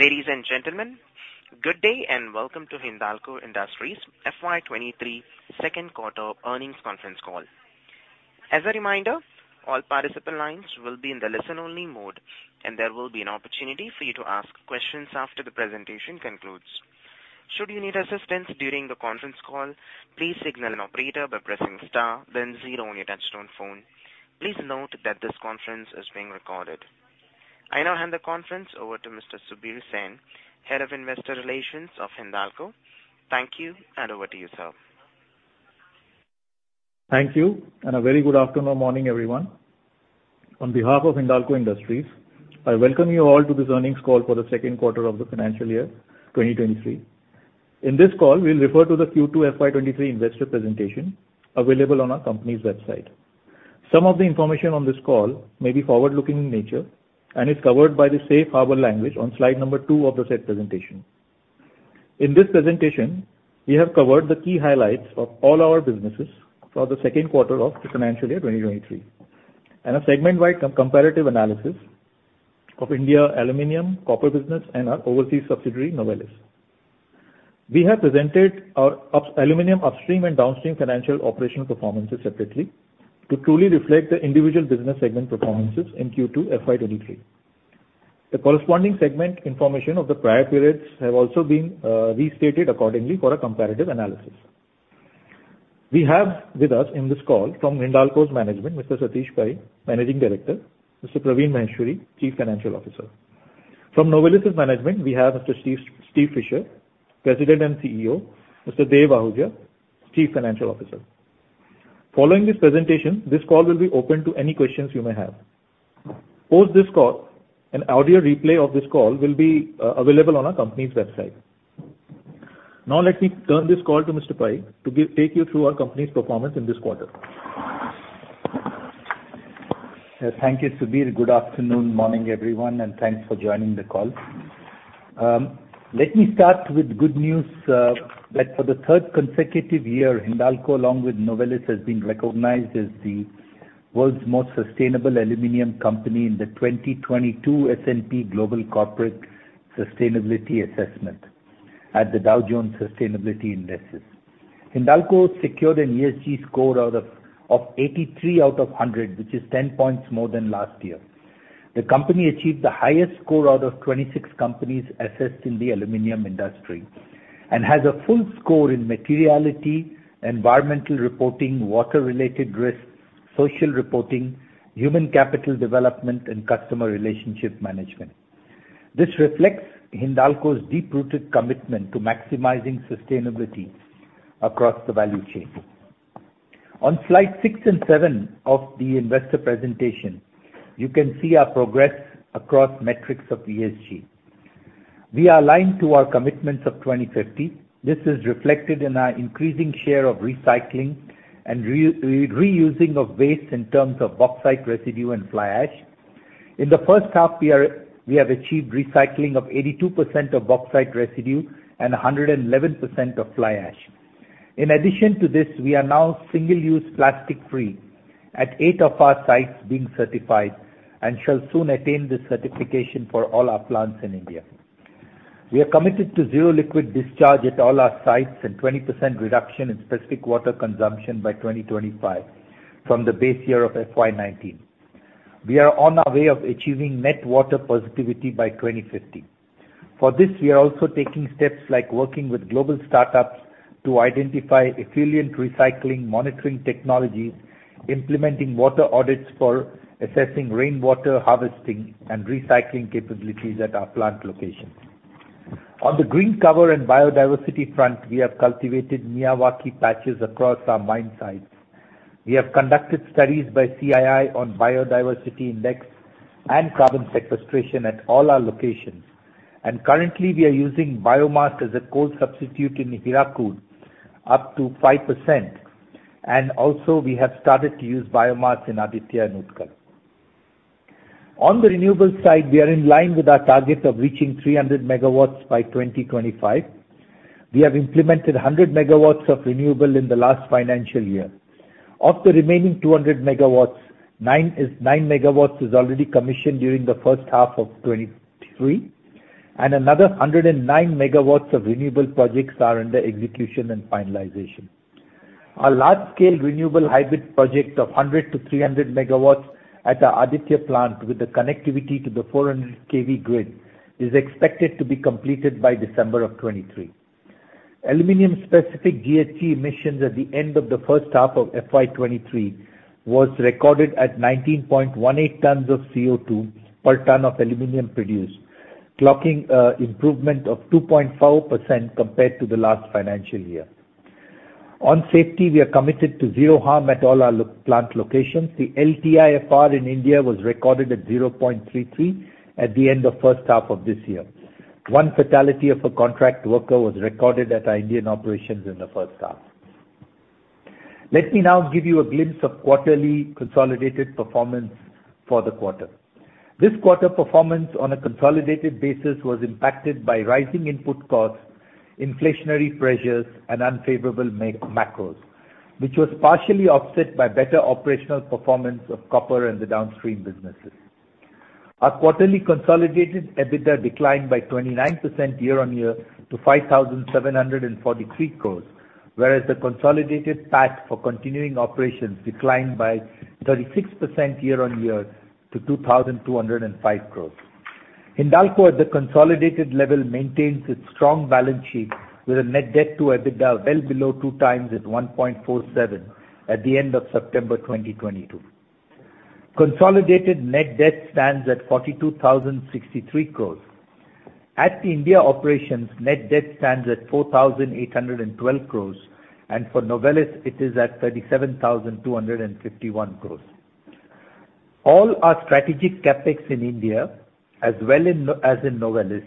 Ladies and gentlemen, good day and welcome to Hindalco Industries FY 2023 second quarter earnings conference call. As a reminder, all participant lines will be in the listen-only mode, and there will be an opportunity for you to ask questions after the presentation concludes. Should you need assistance during the conference call, please signal an operator by pressing star then zero on your touchtone phone. Please note that this conference is being recorded. I now hand the conference over to Mr. Subir Sen, Head of Investor Relations of Hindalco. Thank you, and over to you, sir. Thank you, and a very good afternoon, morning, everyone. On behalf of Hindalco Industries, I welcome you all to this earnings call for the second quarter of the financial year 2023. In this call, we'll refer to the Q2 FY 2023 investor presentation available on our company's website. Some of the information on this call may be forward-looking in nature and is covered by the safe harbor language on slide number two of the said presentation. In this presentation, we have covered the key highlights of all our businesses for the second quarter of the financial year 2023, and a segment-wide comparative analysis of Indian Aluminum, Copper business, and our overseas subsidiary, Novelis. We have presented our aluminum upstream and downstream financial operational performances separately to truly reflect the individual business segment performances in Q2 FY 2023. The corresponding segment information of the prior periods have also been restated accordingly for a comparative analysis. We have with us in this call from Hindalco's management, Mr. Satish Pai, Managing Director, Mr. Praveen Maheshwari, Chief Financial Officer. From Novelis's management we have Mr. Steve Fisher, President and CEO, Mr. Dev Ahuja, Chief Financial Officer. Following this presentation, this call will be open to any questions you may have. Post this call, an audio replay of this call will be available on our company's website. Now let me turn this call to Mr. Pai to take you through our company's performance in this quarter. Thank you, Subir. Good afternoon, morning, everyone, and thanks for joining the call. Let me start with good news, that for the third consecutive year, Hindalco along with Novelis has been recognized as the world's most sustainable aluminum company in the 2022 S&P Global Corporate Sustainability Assessment at the Dow Jones Sustainability Indices. Hindalco secured an ESG score of 83 out of 100, which is 10 points more than last year. The company achieved the highest score out of 26 companies assessed in the aluminum industry and has a full score in materiality, environmental reporting, water-related risks, social reporting, human capital development, and customer relationship management. This reflects Hindalco's deep-rooted commitment to maximizing sustainability across the value chain. On slide six and seven of the investor presentation, you can see our progress across metrics of ESG. We are aligned to our commitments of 2050. This is reflected in our increasing share of recycling and reusing of waste in terms of bauxite residue and fly ash. In the first half we have achieved recycling of 82% of bauxite residue and 111% of fly ash. In addition to this, we are now single-use plastic-free at eight of our sites being certified and shall soon attain this certification for all our plants in India. We are committed to zero liquid discharge at all our sites and 20% reduction in specific water consumption by 2025 from the base year of FY 2019. We are on our way of achieving net water positivity by 2050. For this, we are also taking steps like working with global startups to identify effluent recycling monitoring technologies, implementing water audits for assessing rainwater harvesting and recycling capabilities at our plant locations. On the green cover and biodiversity front, we have cultivated Miyawaki patches across our mine sites. We have conducted studies by CII on biodiversity index and carbon sequestration at all our locations. Currently, we are using biomass as a coal substitute in Hirakud up to 5%, and also we have started to use biomass in Aditya and Utkal. On the renewable side, we are in line with our target of reaching 300 MW by 2025. We have implemented 100 MW of renewable in the last financial year. Of the remaining 200 MW, 9 MW is already commissioned during the first half of 2023, and another 109 MW of renewable projects are under execution and finalization. Our large-scale renewable hybrid project of 100-300 megawatts at our Aditya plant with the connectivity to the 400 KV grid is expected to be completed by December 2023. Aluminum specific GHG emissions at the end of the first half of FY 2023 was recorded at 19.18 tons of CO2 per ton of aluminum produced, clocking improvement of 2.4% compared to the last financial year. On safety, we are committed to zero harm at all our plant locations. The LTIFR in India was recorded at 0.33 at the end of first half of this year. One fatality of a contract worker was recorded at our Indian operations in the first half. Let me now give you a glimpse of quarterly consolidated performance for the quarter. This quarter performance on a consolidated basis was impacted by rising input costs, inflationary pressures, and unfavorable macros, which was partially offset by better operational performance of copper and the downstream businesses. Our quarterly consolidated EBITDA declined by 29% year-on-year to 5,743 crores, whereas the consolidated PAT for continuing operations declined by 36% year-on-year to 2,205 crores. Hindalco at the consolidated level maintains its strong balance sheet with a net debt to EBITDA well below 2x at 1.47 at the end of September 2022. Consolidated net debt stands at 42,063 crores. At India operations, net debt stands at 4,812 crores, and for Novelis it is at 37,251 crores. All our strategic CapEx in India as well as in Novelis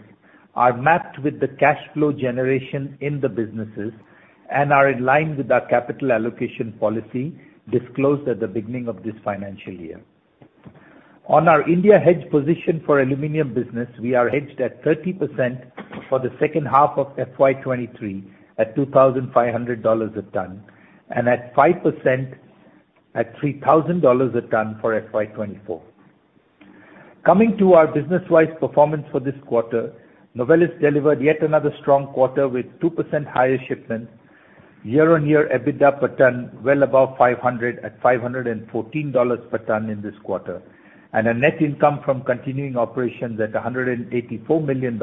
are mapped with the cash flow generation in the businesses and are in line with our capital allocation policy disclosed at the beginning of this financial year. On our India hedge position for aluminum business, we are hedged at 30% for the second half of FY 2023 at $2,500 a ton, and at 5% at $3,000 a ton for FY 2024. Coming to our business-wise performance for this quarter, Novelis delivered yet another strong quarter with 2% higher shipments, year-on-year EBITDA per ton well above 500 at $514 per ton in this quarter, and a net income from continuing operations at $184 million,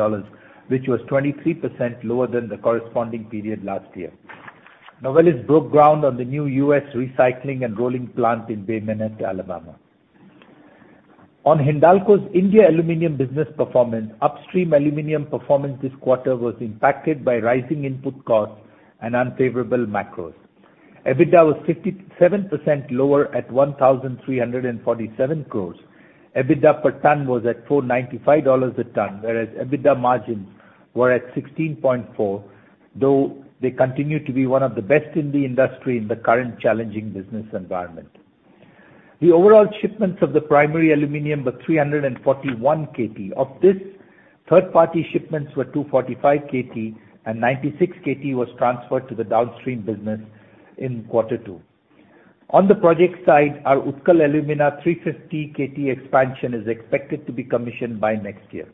which was 23% lower than the corresponding period last year. Novelis broke ground on the new U.S. recycling and rolling plant in Bay Minette, Alabama. Hindalco's India aluminum business performance, upstream aluminum performance this quarter was impacted by rising input costs and unfavorable macros. EBITDA was 57% lower at 1,347 crores. EBITDA per ton was at $495 a ton, whereas EBITDA margins were at 16.4%, though they continue to be one of the best in the industry in the current challenging business environment. Overall shipments of the primary aluminum were 341 Kt. Of this, third-party shipments were 245 Kt and 96 Kt was transferred to the downstream business in quarter two. On the project side, our Utkal Alumina 350 Kt expansion is expected to be commissioned by next year.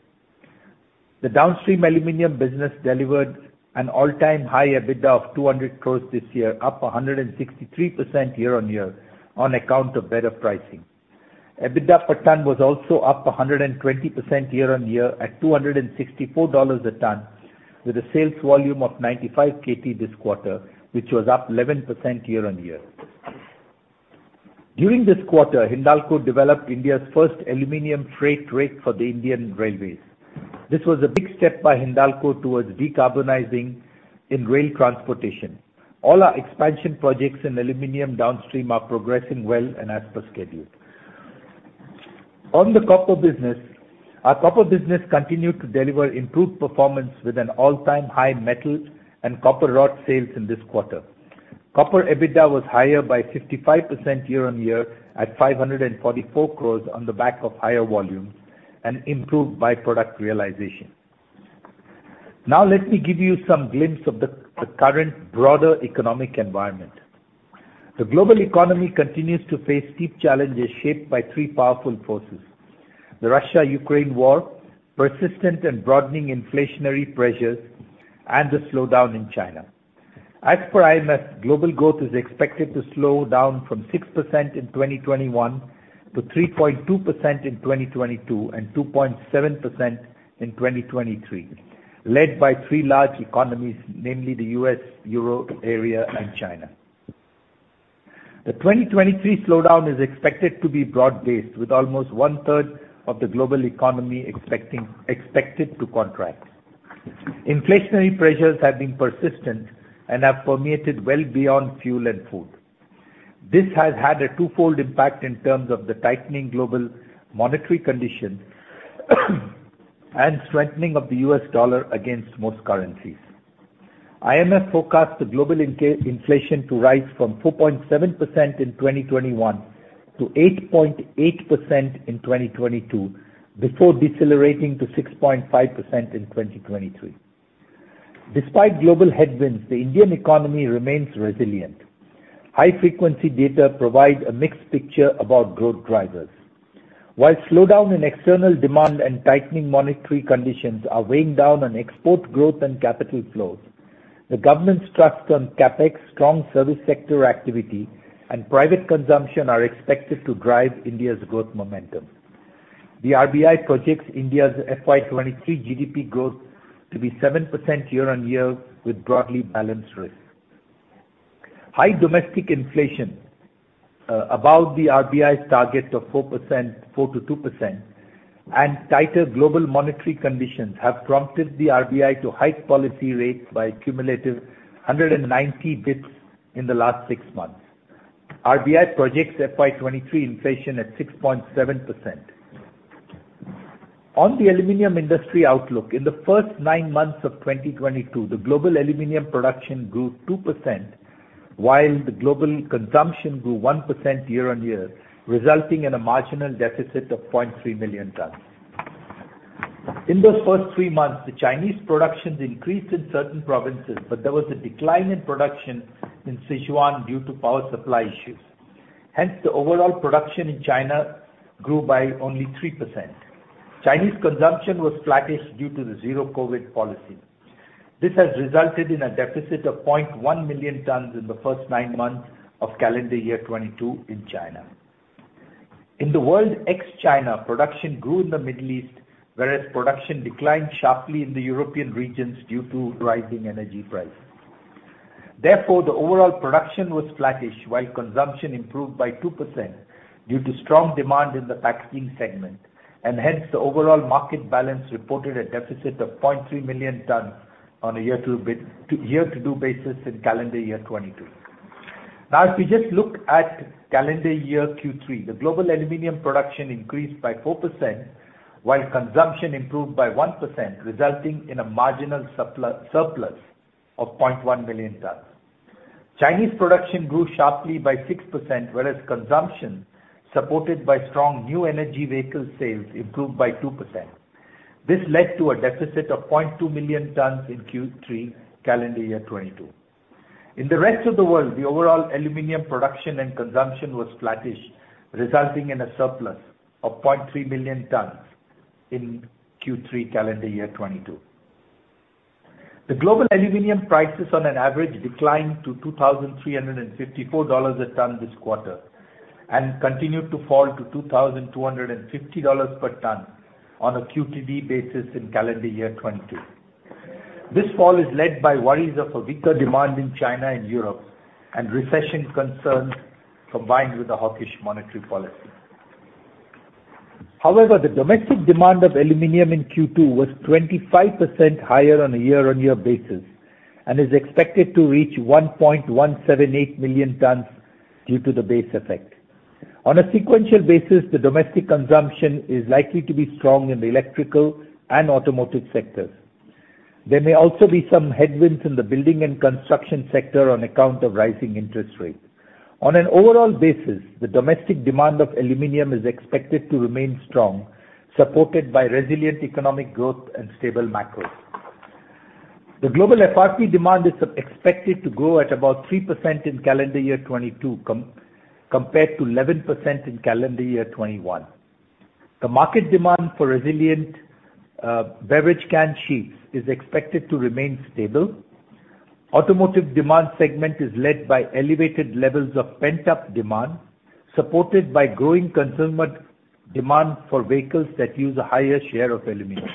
The downstream aluminum business delivered an all-time high EBITDA of 200 crore this year, up 163% year-on-year on account of better pricing. EBITDA per ton was also up 120% year-on-year at $264 a ton with a sales volume of 95 Kt this quarter, which was up 11% year-on-year. During this quarter, Hindalco developed India's first aluminum freight rake for the Indian Railways. This was a big step by Hindalco towards decarbonizing in rail transportation. All our expansion projects in aluminum downstream are progressing well and as per schedule. On the copper business, our copper business continued to deliver improved performance with an all-time high metal and copper rod sales in this quarter. Copper EBITDA was higher by 55% year-on-year at 544 crore on the back of higher volumes and improved by-product realization. Now let me give you some glimpse of the current broader economic environment. The global economy continues to face steep challenges shaped by three powerful forces. The Russia-Ukraine war, persistent and broadening inflationary pressures, and the slowdown in China. As per IMF, global growth is expected to slow down from 6% in 2021 to 3.2% in 2022 and 2.7% in 2023, led by three large economies, namely the U.S., Euro area, and China. The 2023 slowdown is expected to be broad-based, with almost one-third of the global economy expected to contract. Inflationary pressures have been persistent and have permeated well beyond fuel and food. This has had a twofold impact in terms of the tightening global monetary condition and strengthening of the U.S. dollar against most currencies. IMF forecasts the global inflation to rise from 4.7% in 2021 to 8.8% in 2022 before decelerating to 6.5% in 2023. Despite global headwinds, the Indian economy remains resilient. High-frequency data provide a mixed picture about growth drivers. While slowdown in external demand and tightening monetary conditions are weighing down on export growth and capital flows, the government's thrust on CapEx, strong service sector activity, and private consumption are expected to drive India's growth momentum. The RBI projects India's FY 2023 GDP growth to be 7% year-on-year with broadly balanced risks. High domestic inflation above the RBI's target of 4% (2%-6%), and tighter global monetary conditions have prompted the RBI to hike policy rates by a cumulative 190 basis points in the last six months. RBI projects FY 2023 inflation at 6.7%. On the aluminum industry outlook, in the first nine months of 2022, the global aluminum production grew 2%, while the global consumption grew 1% year-on-year, resulting in a marginal deficit of 0.3 million tons. In those first three months, the Chinese production increased in certain provinces, but there was a decline in production in Sichuan due to power supply issues. Hence, the overall production in China grew by only 3%. Chinese consumption was flattish due to the zero COVID policy. This has resulted in a deficit of 0.1 million tons in the first nine months of calendar year 2022 in China. In the world ex-China, production grew in the Middle East, whereas production declined sharply in the European regions due to rising energy prices. Therefore, the overall production was flattish while consumption improved by 2% due to strong demand in the packaging segment. The overall market balance reported a deficit of 0.3 million tons on a year-to-date basis in calendar year 2022. Now, if you just look at calendar year Q3, the global aluminum production increased by 4% while consumption improved by 1%, resulting in a marginal supply surplus of 0.1 million tons. Chinese production grew sharply by 6%, whereas consumption, supported by strong new energy vehicle sales, improved by 2%. This led to a deficit of 0.2 million tons in Q3 2022. In the rest of the world, the overall aluminum production and consumption was flattish, resulting in a surplus of 0.3 million tons in Q3 2022. The global aluminum prices on an average declined to $2,354 a ton this quarter, and continued to fall to $2,250 per ton on a QTD basis in 2022. This fall is led by worries of a weaker demand in China and Europe and recession concerns, combined with the hawkish monetary policy. However, the domestic demand of aluminum in Q2 was 25% higher on a year-on-year basis, and is expected to reach 1.178 million tons due to the base effect. On a sequential basis, the domestic consumption is likely to be strong in the electrical and automotive sectors. There may also be some headwinds in the building and construction sector on account of rising interest rates. On an overall basis, the domestic demand of aluminum is expected to remain strong, supported by resilient economic growth and stable macro. The global FRP demand is expected to grow at about 3% in calendar year 2022 compared to 11% in calendar year 2021. The market demand for resilient beverage can sheets is expected to remain stable. Automotive demand segment is led by elevated levels of pent-up demand, supported by growing consumer demand for vehicles that use a higher share of aluminum.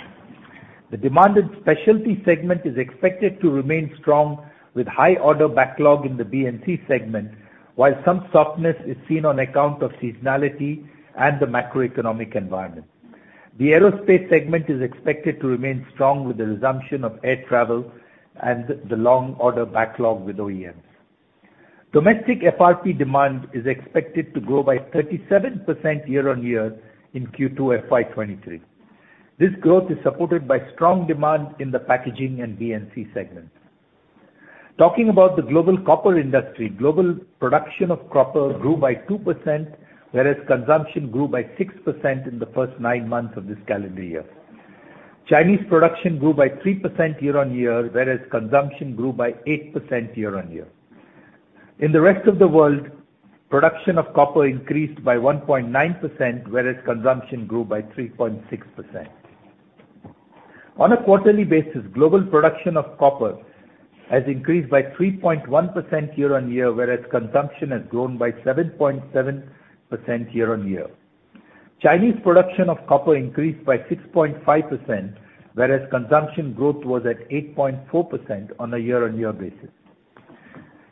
The demand in specialty segment is expected to remain strong with high order backlog in the B&C segment, while some softness is seen on account of seasonality and the macroeconomic environment. The aerospace segment is expected to remain strong with the resumption of air travel and the long order backlog with OEMs. Domestic FRP demand is expected to grow by 37% year-over-year in Q2 FY2023. This growth is supported by strong demand in the packaging and B&C segment. Talking about the global copper industry, global production of copper grew by 2%, whereas consumption grew by 6% in the first 9 months of this calendar year. Chinese production grew by 3% year-over-year, whereas consumption grew by 8% year-over-year. In the rest of the world, production of copper increased by 1.9%, whereas consumption grew by 3.6%. On a quarterly basis, global production of copper has increased by 3.1% year-on-year, whereas consumption has grown by 7.7% year-on-year. Chinese production of copper increased by 6.5%, whereas consumption growth was at 8.4% on a year-on-year basis.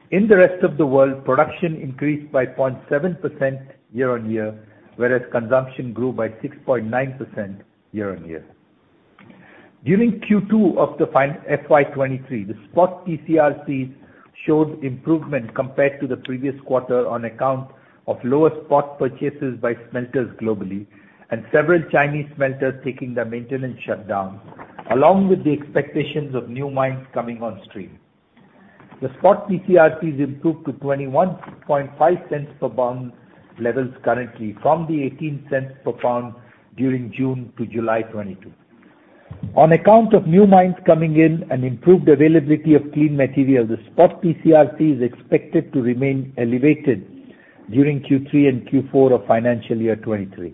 In the rest of the world, production increased by 0.7% year-on-year, whereas consumption grew by 6.9% year-on-year. During Q2 of FY 2023, the spot TC/RCs showed improvement compared to the previous quarter on account of lower spot purchases by smelters globally and several Chinese smelters taking their maintenance shutdown, along with the expectations of new mines coming on stream. The spot TC/RCs improved to $0.215 per pound levels currently from the $0.18 cents per pound during June-July 2022. On account of new mines coming in and improved availability of clean material, the spot TC/RC is expected to remain elevated during Q3 and Q4 of financial year 2023.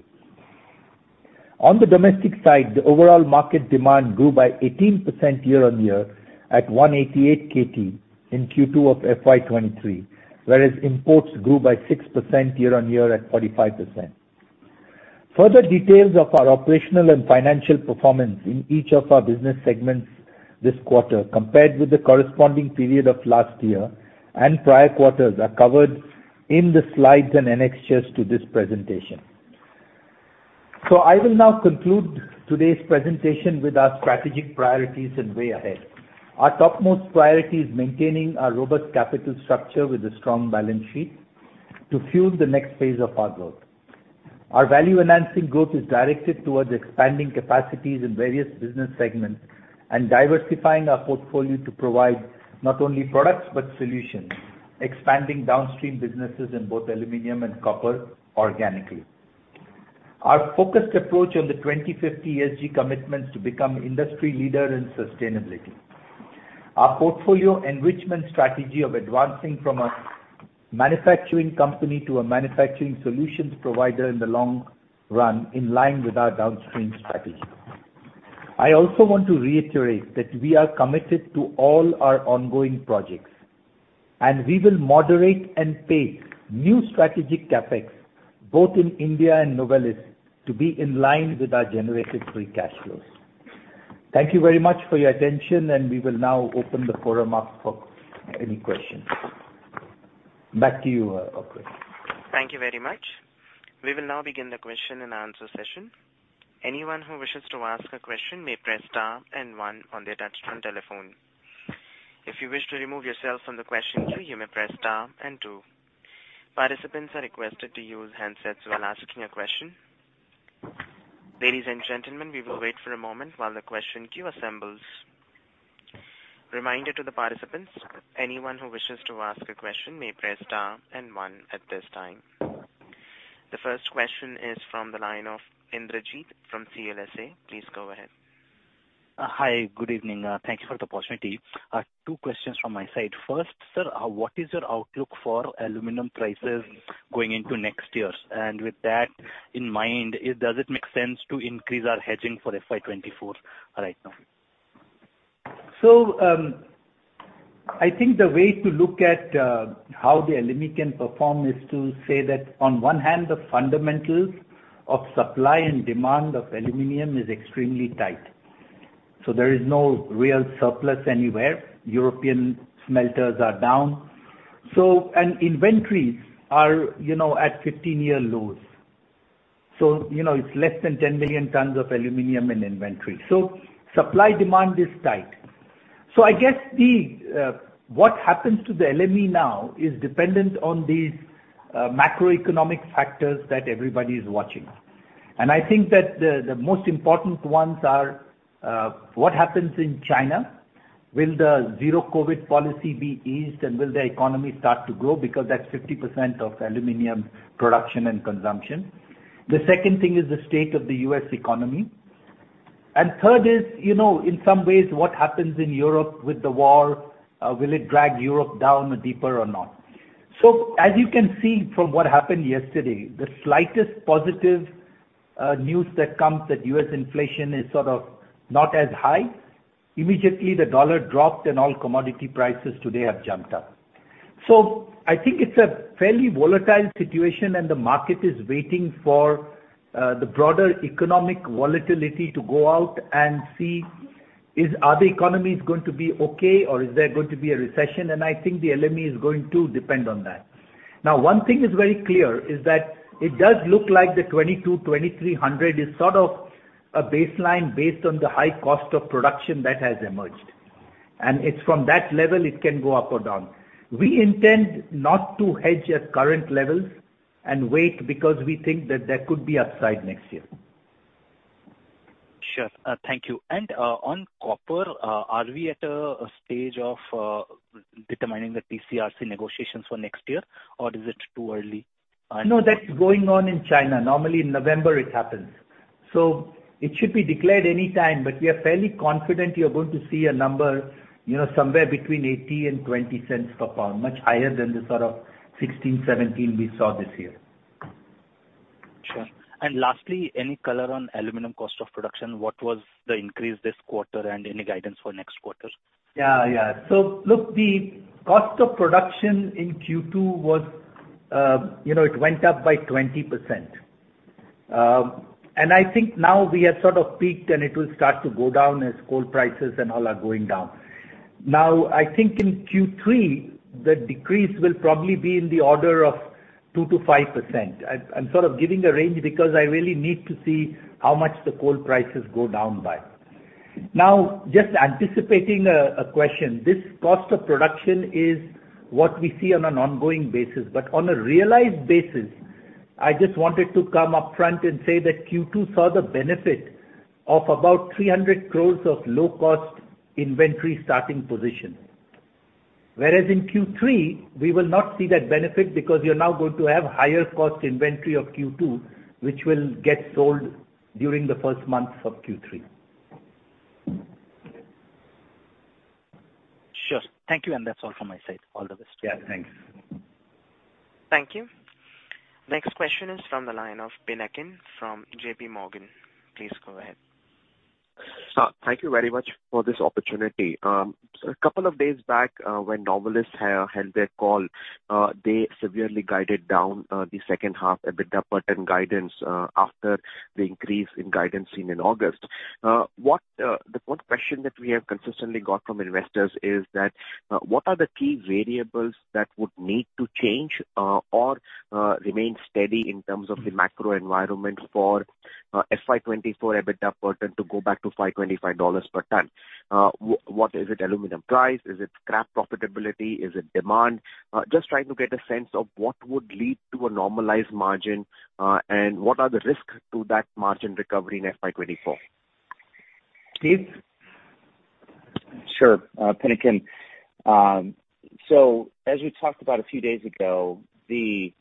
On the domestic side, the overall market demand grew by 18% year-on-year at 188 Kt in Q2 of FY 2023, whereas imports grew by 6% year-on-year at 45 Kt. Further details of our operational and financial performance in each of our business segments this quarter compared with the corresponding period of last year and prior quarters are covered in the slides and annexures to this presentation. I will now conclude today's presentation with our strategic priorities and way ahead. Our topmost priority is maintaining our robust capital structure with a strong balance sheet to fuel the next phase of our growth. Our value-enhancing growth is directed towards expanding capacities in various business segments and diversifying our portfolio to provide not only products but solutions. Expanding downstream businesses in both aluminum and copper organically. Our focused approach on the 2050 ESG commitment to become industry leader in sustainability. Our portfolio enrichment strategy of advancing from a manufacturing company to a manufacturing solutions provider in the long run, in line with our downstream strategy. I also want to reiterate that we are committed to all our ongoing projects, and we will moderate and pace new strategic CapEx both in India and Novelis to be in line with our generated free cash flows. Thank you very much for your attention, and we will now open the forum up for any questions. Back to you, operator. Thank you very much. We will now begin the question and answer session. Anyone who wishes to ask a question may press star and one on their touchtone telephone. If you wish to remove yourself from the question queue, you may press star and two. Participants are requested to use handsets while asking a question. Ladies and gentlemen, we will wait for a moment while the question queue assembles. Reminder to the participants, anyone who wishes to ask a question may press star and one at this time. The first question is from the line of Indrajit from CLSA. Please go ahead. Hi, good evening. Thank you for the opportunity. Two questions from my side. First, sir, what is your outlook for aluminum prices going into next year? With that in mind, does it make sense to increase our hedging for FY 2024 right now? I think the way to look at how the LME can perform is to say that on one hand, the fundamentals of supply and demand of aluminum is extremely tight. There is no real surplus anywhere. European smelters are down. Inventories are, you know, at 15-year lows. You know, it's less than 10 million tons of aluminum in inventory. Supply-demand is tight. I guess what happens to the LME now is dependent on these macroeconomic factors that everybody is watching. I think that the most important ones are what happens in China. Will the zero COVID policy be eased, and will the economy start to grow? Because that's 50% of aluminum production and consumption. The second thing is the state of the U.S. economy. Third is, you know, in some ways, what happens in Europe with the war, will it drag Europe down deeper or not? As you can see from what happened yesterday, the slightest positive news that comes that U.S. inflation is sort of not as high, immediately the U.S. dollar dropped and all commodity prices today have jumped up. I think it's a fairly volatile situation, and the market is waiting for the broader economic volatility to go out and see is, are the economies going to be okay, or is there going to be a recession? I think the LME is going to depend on that. Now, one thing is very clear, is that it does look like the 2,200-2,300 is sort of a baseline based on the high cost of production that has emerged. It's from that level it can go up or down. We intend not to hedge at current levels and wait because we think that there could be upside next year. Sure. Thank you. On copper, are we at a stage of determining the TC/RC negotiations for next year, or is it too early? No, that's going on in China. Normally in November it happens. It should be declared any time, but we are fairly confident you're going to see a number, you know, somewhere between $0.80 and $0.20 per pound, much higher than the sort of $0.16, $0.17 we saw this year. Sure. Lastly, any color on aluminum cost of production? What was the increase this quarter, and any guidance for next quarter? Yeah, yeah. Look, the cost of production in Q2 was, you know, it went up by 20%. I think now we have sort of peaked, and it will start to go down as coal prices and all are going down. Now, I think in Q3, the decrease will probably be in the order of 2%-5%. I'm sort of giving a range because I really need to see how much the coal prices go down by. Now, just anticipating a question. This cost of production is what we see on an ongoing basis. On a realized basis, I just wanted to come upfront and say that Q2 saw the benefit of about 300 crores of low cost inventory starting position. Whereas in Q3 we will not see that benefit because you're now going to have higher cost inventory of Q2, which will get sold during the first months of Q3. Sure. Thank you. That's all from my side. All the best. Yeah, thanks. Thank you. Next question is from the line of Pinakin from JPMorgan. Please go ahead. Thank you very much for this opportunity. So a couple of days back, when Novelis held their call, they severely guided down the second half EBITDA per ton guidance after the increase in guidance seen in August. The one question that we have consistently got from investors is that what are the key variables that would need to change or remain steady in terms of the macro environment for FY 2024 EBITDA per ton to go back to $525 per ton? What is it aluminum price? Is it scrap profitability? Is it demand? Just trying to get a sense of what would lead to a normalized margin and what are the risks to that margin recovery in FY 2024? Steve? Sure. Pinakin. As we talked about a few days ago, the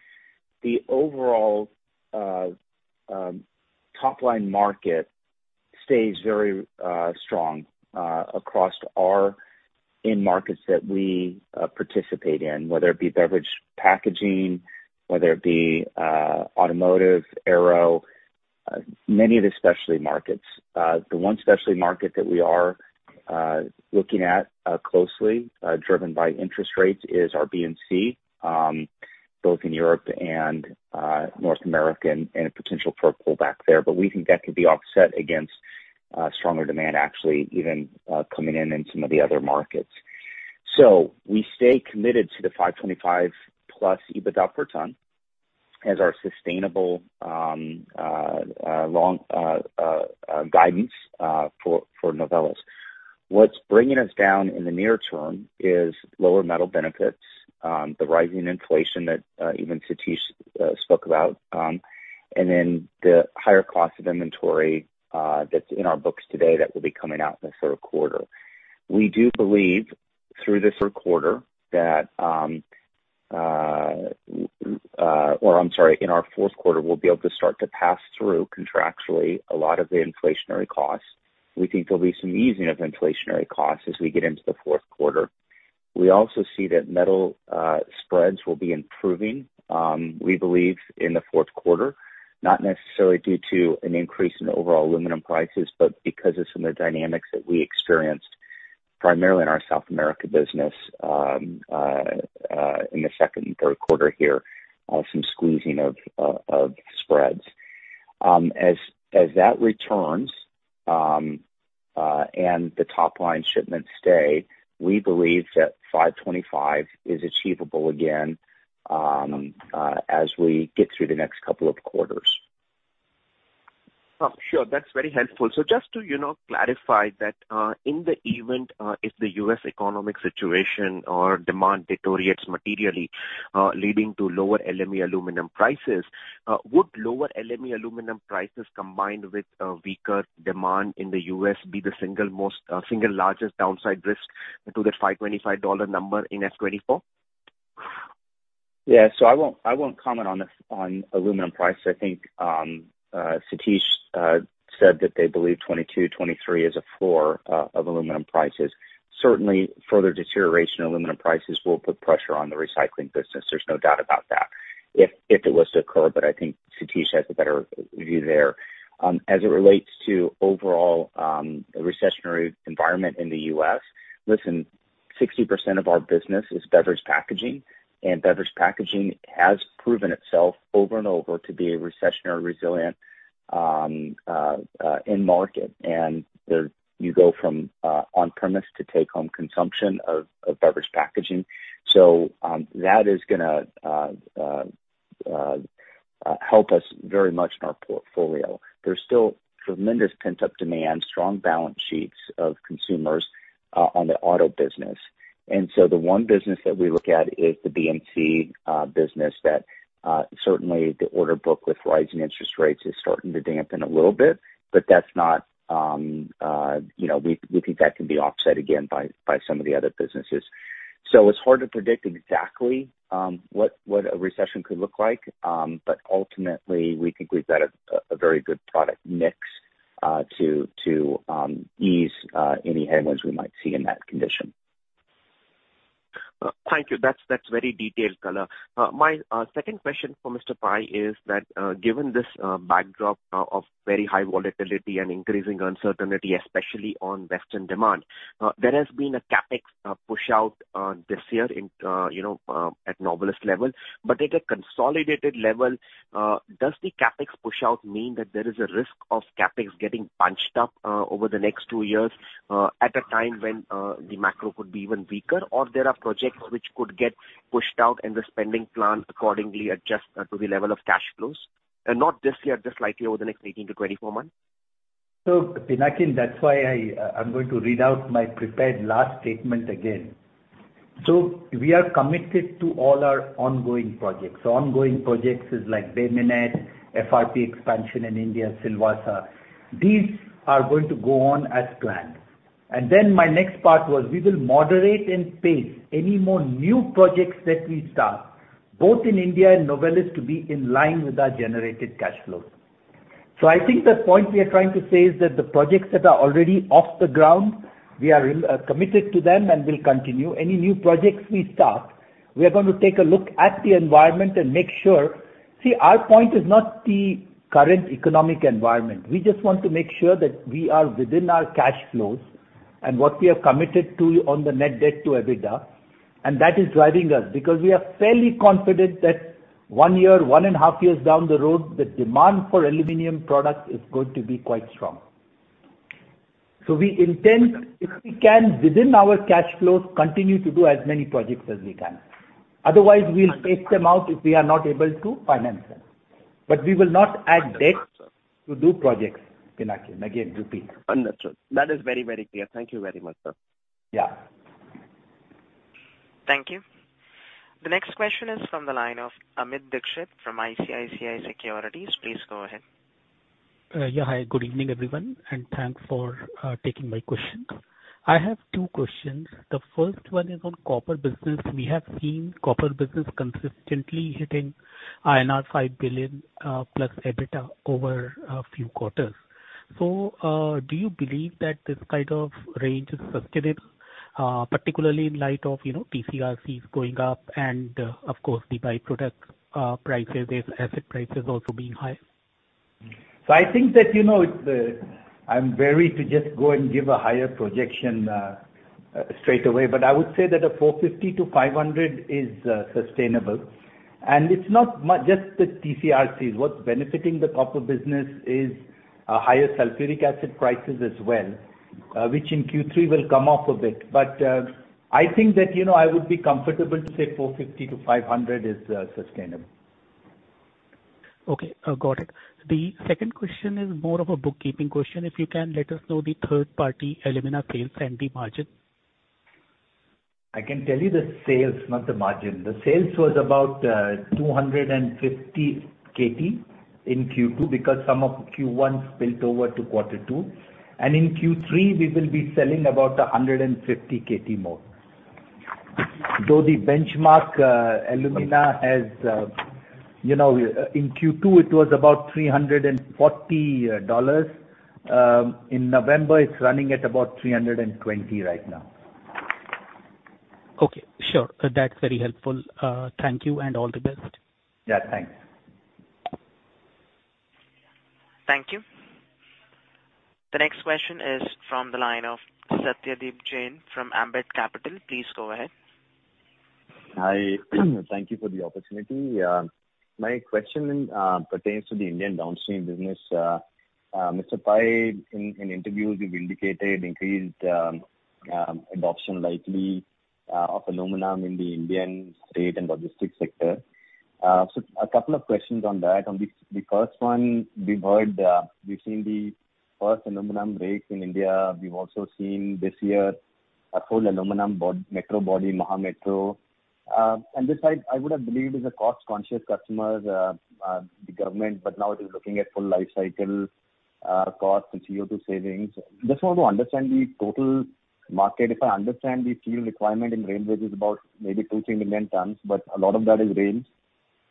overall top line market stays very strong across our end markets that we participate in, whether it be beverage packaging, whether it be automotive, aero, many of the specialty markets. The one specialty market that we are looking at closely, driven by interest rates, is our B&C both in Europe and North America, and a potential pullback there. We think that could be offset against stronger demand actually even coming in in some of the other markets. We stay committed to the $525+ EBITDA per ton as our sustainable long guidance for Novelis. What's bringing us down in the near term is lower metal benefits, the rising inflation that even Satish spoke about, and then the higher cost of inventory that's in our books today that will be coming out in the third quarter. We do believe in our fourth quarter we'll be able to start to pass through contractually a lot of the inflationary costs. We think there'll be some easing of inflationary costs as we get into the fourth quarter. We also see that metal spreads will be improving. We believe in the fourth quarter, not necessarily due to an increase in overall aluminum prices, but because of some of the dynamics that we experienced primarily in our South America business, in the second and third quarter here, some squeezing of spreads. As that returns, and the top line shipments stay, we believe that $525 is achievable again, as we get through the next couple of quarters. Sure. That's very helpful. Just to, you know, clarify that, in the event if the U.S. economic situation or demand deteriorates materially, leading to lower LME aluminum prices, would lower LME aluminum prices combined with a weaker demand in the U.S. be the single largest downside risk to the $525 number in FY 2024? I won't comment on aluminum prices. I think Satish said that they believe 2022, 2023 is a floor of aluminum prices. Certainly, further deterioration in aluminum prices will put pressure on the recycling business. There's no doubt about that, if it was to occur, but I think Satish has a better view there. As it relates to overall recessionary environment in the U.S., listen, 60% of our business is beverage packaging, and beverage packaging has proven itself over and over to be a recession-resilient end market. There you go from on-premise to take-home consumption of beverage packaging. That is gonna help us very much in our portfolio. There's still tremendous pent-up demand, strong balance sheets of consumers, on the auto business. The one business that we look at is the B&C business that certainly the order book with rising interest rates is starting to dampen a little bit, but that's not, you know, we think that can be offset again by some of the other businesses. It's hard to predict exactly what a recession could look like. But ultimately, we think we've got a very good product mix to ease any headwinds we might see in that condition. Thank you. That's very detailed color. My second question for Mr. Pai is that, given this backdrop of very high volatility and increasing uncertainty, especially on Western demand, there has been a CapEx push out this year in, you know, at Novelis level. But at a consolidated level, does the CapEx pushout mean that there is a risk of CapEx getting bunched up over the next two years, at a time when the macro could be even weaker? Or there are projects which could get pushed out and the spending plans accordingly adjust to the level of cash flows? Not this year, just likely over the next 18-24 months. Pinakin, that's why I'm going to read out my prepared last statement again. We are committed to all our ongoing projects. Ongoing projects is like Bay Minette, FRP expansion in India, Silvassa. These are going to go on as planned. My next part was we will moderate and pace any more new projects that we start, both in India and Novelis to be in line with our generated cash flows. I think the point we are trying to say is that the projects that are already off the ground, we are committed to them and will continue. Any new projects we start, we are gonna take a look at the environment and make sure. See, our point is not the current economic environment. We just want to make sure that we are within our cash flows and what we have committed to on the net debt to EBITDA, and that is driving us because we are fairly confident that one year, one and a half years down the road, the demand for aluminum product is going to be quite strong. We intend, if we can, within our cash flows, continue to do as many projects as we can. Otherwise, we'll take them out if we are not able to finance them. We will not add debt to do projects, Pinakin. Again, to repeat. Understood. That is very, very clear. Thank you very much, sir. Yeah. Thank you. The next question is from the line of Amit Dixit from ICICI Securities. Please go ahead. Hi, good evening, everyone, and thanks for taking my questions. I have two questions. The first one is on copper business. We have seen copper business consistently hitting INR 5 billion plus EBITDA over a few quarters. Do you believe that this kind of range is sustainable, particularly in light of, you know, TC/RCs going up and, of course, the by-product prices, as well as prices also being high? I think that, you know, it's, I'm wary to just go and give a higher projection, straight away. I would say that $450-$500 is, sustainable. It's not just the TCRCs. What's benefiting the copper business is, higher sulfuric acid prices as well, which in Q3 will come off a bit. I think that, you know, I would be comfortable to say $450-$500 is, sustainable. Okay. Got it. The second question is more of a bookkeeping question. If you can, let us know the third-party alumina sales and the margin. I can tell you the sales, not the margin. The sales was about 250 Kt in Q2, because some of Q1 spilled over to quarter two. In Q3 we will be selling about 150 Kt more. Though the benchmark alumina has, in Q2 it was about $340. In November, it's running at about $320 right now. Okay. Sure. That's very helpful. Thank you and all the best. Yeah, thanks. Thank you. The next question is from the line of Satyadeep Jain from Ambit Capital. Please go ahead. Hi. Thank you for the opportunity. My question pertains to the Indian downstream business. Mr. Pai, in interviews you've indicated increased adoption likely of aluminum in the Indian auto and logistics sector. A couple of questions on that. On the first one we've heard, we've seen the first aluminum rake in India. We've also seen this year a full aluminum body metro body Maha Metro. This I would have believed is a cost-conscious customers, the government, but now it is looking at full life cycle cost and CO2 savings. Just want to understand the total market. If I understand, the steel requirement in railways is about maybe 2-3 million tons, but a lot of that is rails.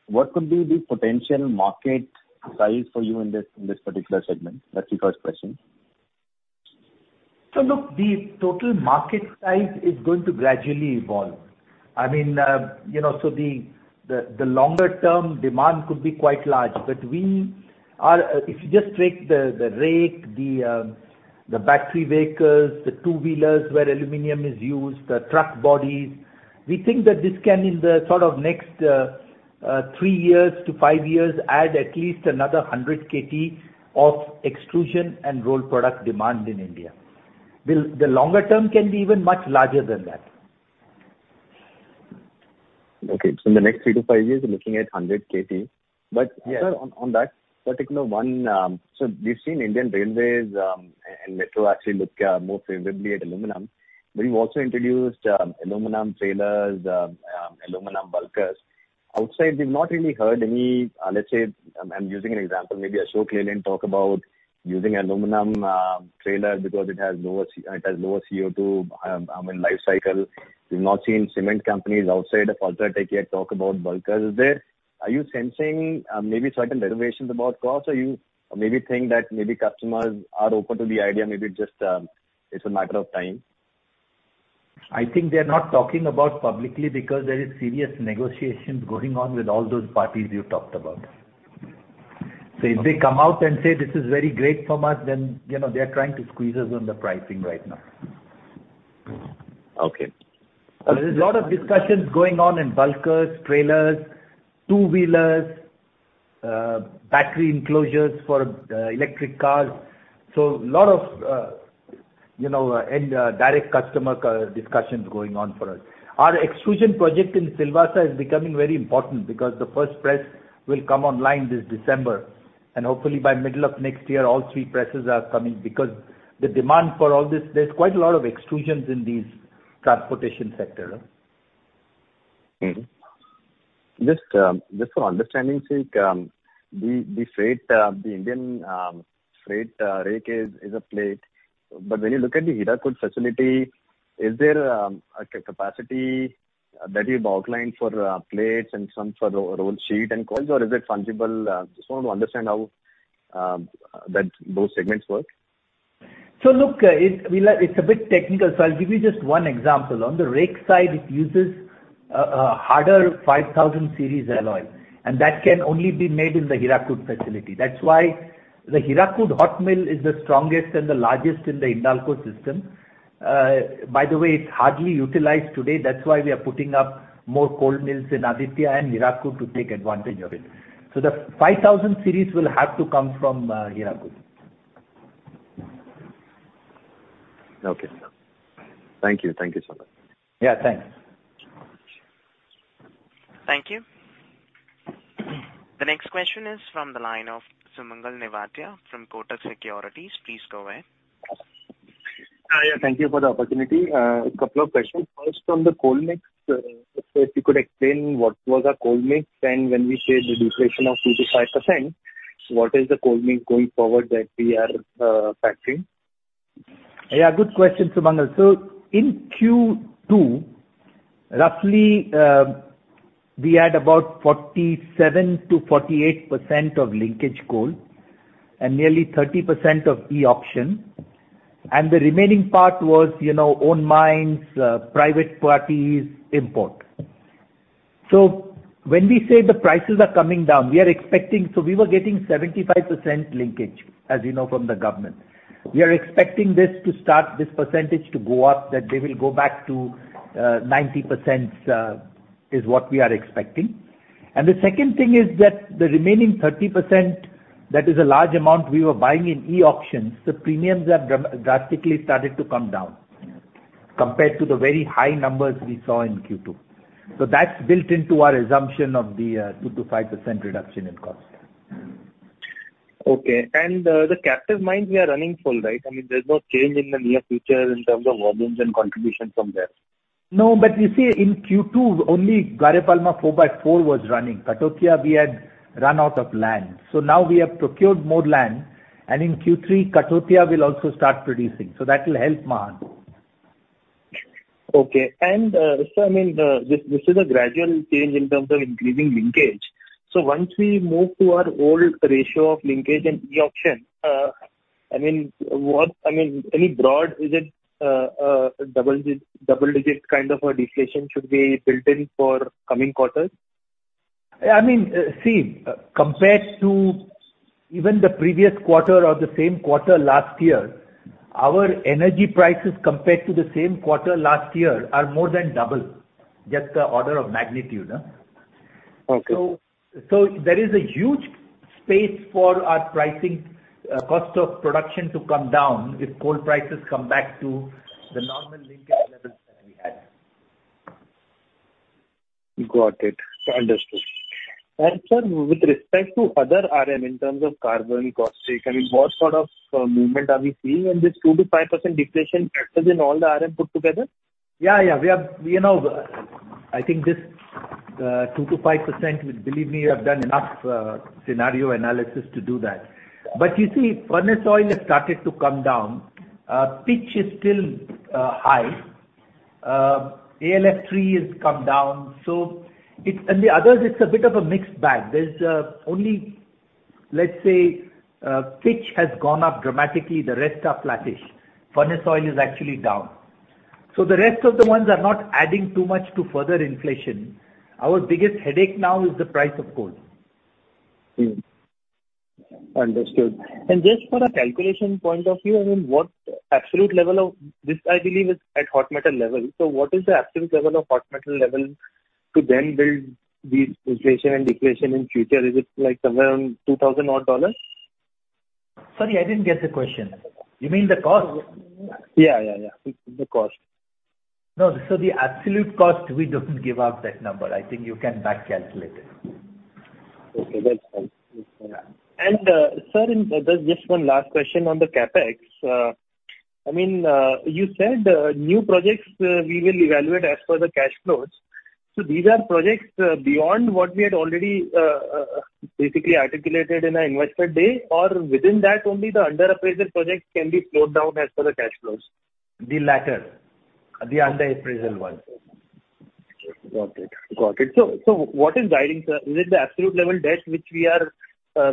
What could be the potential market size for you in this, in this particular segment? That's the first question. Look, the total market size is going to gradually evolve. I mean, you know, the longer term demand could be quite large. If you just take the EV, the battery vehicles, the two-wheelers where aluminum is used, the truck bodies, we think that this can, in the sort of next three to five years add at least another 100 Kt of extrusion and rolled product demand in India. The longer term can be even much larger than that. Okay. In the next three to five years we're looking at 100 Kt. Yes. Sir, on that particular one, so we've seen Indian Railways and Metro actually look more favorably at aluminum. You've also introduced aluminum trailers, aluminum bulkers. Outside we've not really heard any, let's say, I'm using an example, maybe Ashok Leyland talk about using aluminum trailer because it has lower CO2 in life cycle. We've not seen cement companies outside of UltraTech yet talk about bulkers there. Are you sensing maybe certain reservations about costs? Or you maybe think that maybe customers are open to the idea, maybe it just, it's a matter of time? I think they are not talking about publicly because there is serious negotiations going on with all those parties you talked about. If they come out and say, "This is very great for us," then, you know, they are trying to squeeze us on the pricing right now. Okay. There is a lot of discussions going on in bulkers, trailers, two-wheelers, battery enclosures for electric cars. A lot of, you know, and direct customer discussions going on for us. Our extrusion project in Silvassa is becoming very important because the first press will come online this December, and hopefully by middle of next year all three presses are coming because the demand for all this, there's quite a lot of extrusions in these transportation sector. Mm-hmm. Just for understanding sake, the Indian freight rake is a plate. But when you look at the Hirakud facility, is there a capacity that you've outlined for plates and some for rolled sheet and coils, or is it fungible? Just want to understand how those segments work. Look, it's a bit technical, I'll give you just one example. On the rake side, it uses a harder 5,000 series alloy, and that can only be made in the Hirakud facility. That's why the Hirakud hot mill is the strongest and the largest in the Hindalco system. By the way, it's hardly utilized today, that's why we are putting up more cold mills in Aditya and Hirakud to take advantage of it. The 5,000 series will have to come from Hirakud. Okay, sir. Thank you. Thank you so much. Yeah, thanks. Thank you. The next question is from the line of Sumangal Nevatia from Kotak Securities. Please go ahead. Yeah, thank you for the opportunity. A couple of questions. First, from the coal mix, if you could explain what was our coal mix, and when we say the deflation of 2%-5%, what is the coal mix going forward that we are factoring? Yeah, good question, Sumangal. In Q2, roughly, we had about 47%-48% of linkage coal and nearly 30% of e-auction. The remaining part was, you know, own mines, private parties, import. When we say the prices are coming down, we are expecting we were getting 75% linkage, as you know, from the government. We are expecting this to start, this percentage to go up, that they will go back to ninety percent is what we are expecting. The second thing is that the remaining 30%, that is a large amount we were buying in e-auctions. The premiums have drastically started to come down compared to the very high numbers we saw in Q2. That's built into our assumption of the two to five percent reduction in costs. Okay. The captive mines, we are running full, right? I mean, there's no change in the near future in terms of volumes and contribution from there. No, but you see, in Q2, only Gare Palma 4/4 was running. Kathautia, we had run out of land. Now we have procured more land, and in Q3, Kathautia will also start producing. That will help Mahan. I mean, this is a gradual change in terms of increasing linkage. Once we move to our old ratio of linkage and e-auction, I mean, in broad, is it double-digit kind of a deflation should be built in for coming quarters? I mean, see, compared to even the previous quarter or the same quarter last year, our energy prices compared to the same quarter last year are more than double. Just the order of magnitude, huh? Okay. There is a huge space for our pricing, cost of production to come down if coal prices come back to the normal linkage levels that we had. Got it. Understood. Sir, with respect to other RM in terms of carbon, caustic, I mean, what sort of movement are we seeing in this 2%-5% deflation factors in all the RM put together? Yeah, yeah. We have, you know, I think this 2%-5%, believe me, we have done enough scenario analysis to do that. You see, furnace oil has started to come down. Pitch is still high. AlF3 has come down. It's a bit of a mixed bag. The others, it's a bit of a mixed bag. There's only, let's say, pitch has gone up dramatically. The rest are flattish. Furnace oil is actually down. The rest of the ones are not adding too much to further inflation. Our biggest headache now is the price of coal. Mm-hmm. Understood. Just for a calculation point of view, I mean, what absolute level of this, I believe, is at hot metal level. What is the absolute level of hot metal level to then build the inflation and deflation in future? Is it, like, somewhere around $2,000 odd? Sorry, I didn't get the question. You mean the cost? Yeah. The cost. No. The absolute cost, we don't give out that number. I think you can back calculate it. Okay. That's fine. Sir, just one last question on the CapEx. I mean, you said new projects we will evaluate as per the cash flows. These are projects beyond what we had already basically articulated in our investor day. Within that only the under appraisal projects can be flowed down as per the cash flows? The latter. The underappraisal one. Got it. What is guiding, sir? Is it the absolute level debt which we are,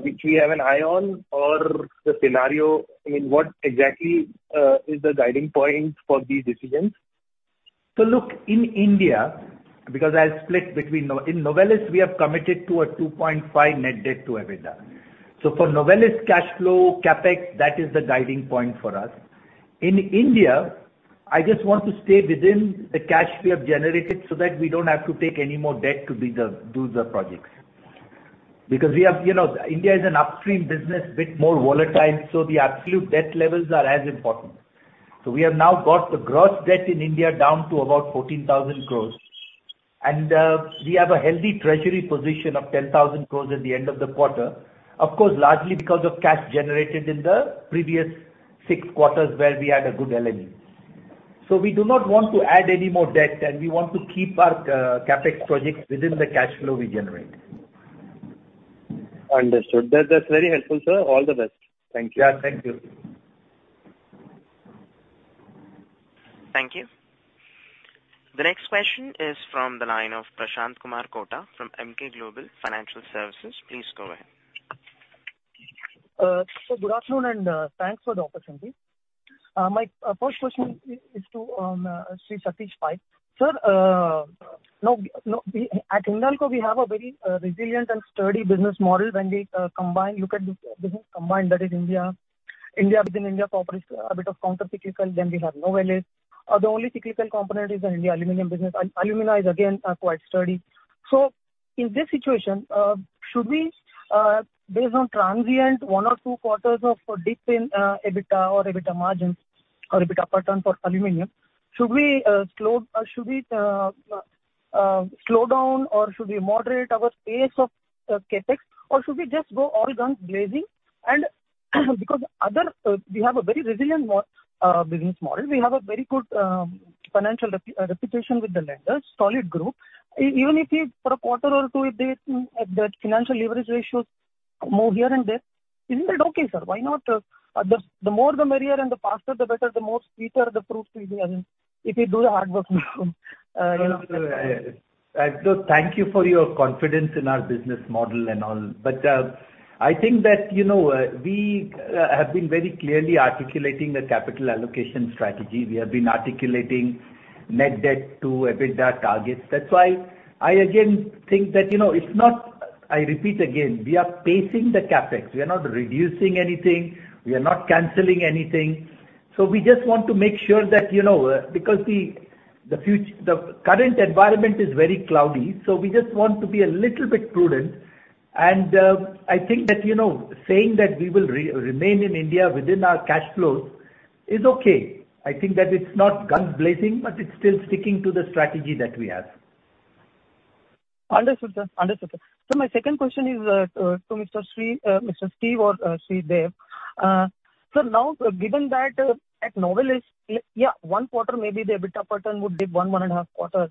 which we have an eye on or the scenario? I mean, what exactly is the guiding point for these decisions? Look, in India, because in Novelis we have committed to a 2.5 net debt to EBITDA. For Novelis cash flow, CapEx, that is the guiding point for us. In India, I just want to stay within the cash we have generated so that we don't have to take any more debt to do the projects. Because we have, you know, India is an upstream business, bit more volatile, so the absolute debt levels are as important. We have now got the gross debt in India down to about 14,000 crores. We have a healthy treasury position of 10,000 crores at the end of the quarter, of course, largely because of cash generated in the previous six quarters where we had a good LME. We do not want to add any more debt, and we want to keep our CapEx projects within the cash flow we generate. Understood. That's very helpful, sir. All the best. Thank you. Yeah. Thank you. Thank you. The next question is from the line of Prashant Kumar Kota from Emkay Global Financial Services. Please go ahead. Sir, good afternoon and thanks for the opportunity. My first question is to Satish Pai. Sir, at Hindalco we have a very resilient and sturdy business model when we look at the business combined, that is India. India within India operates a bit counter-cyclical. We have Novelis. The only cyclical component is in the aluminum business. Alumina is again quite sturdy. In this situation, should we based on transient one or two quarters of a dip in EBITDA or EBITDA margins or EBITDA per ton for aluminum. Should we slow down or should we moderate our pace of CapEx, or should we just go all guns blazing? Because other, we have a very resilient business model. We have a very good, financial reputation with the lenders, solid group. Even if we for a quarter or two, if the financial leverage ratios move here and there, isn't that okay, sir? Why not, the more the merrier and the faster the better, the more sweeter the fruit will be and if we do the hard work, you know. No, I thank you for your confidence in our business model and all. I think that, you know, we have been very clearly articulating the capital allocation strategy. We have been articulating net debt to EBITDA targets. That's why I again think that, you know, it's not. I repeat again, we are pacing the CapEx. We are not reducing anything. We are not canceling anything. We just want to make sure that, you know, because the current environment is very cloudy, so we just want to be a little bit prudent and, I think that, you know, saying that we will remain in India within our cash flows is okay. I think that it's not guns blazing, but it's still sticking to the strategy that we have. Understood, sir. My second question is to Mr. Steve or Satish. Given that at Novelis, yeah, one quarter, maybe the EBITDA pattern would be one and a half quarter.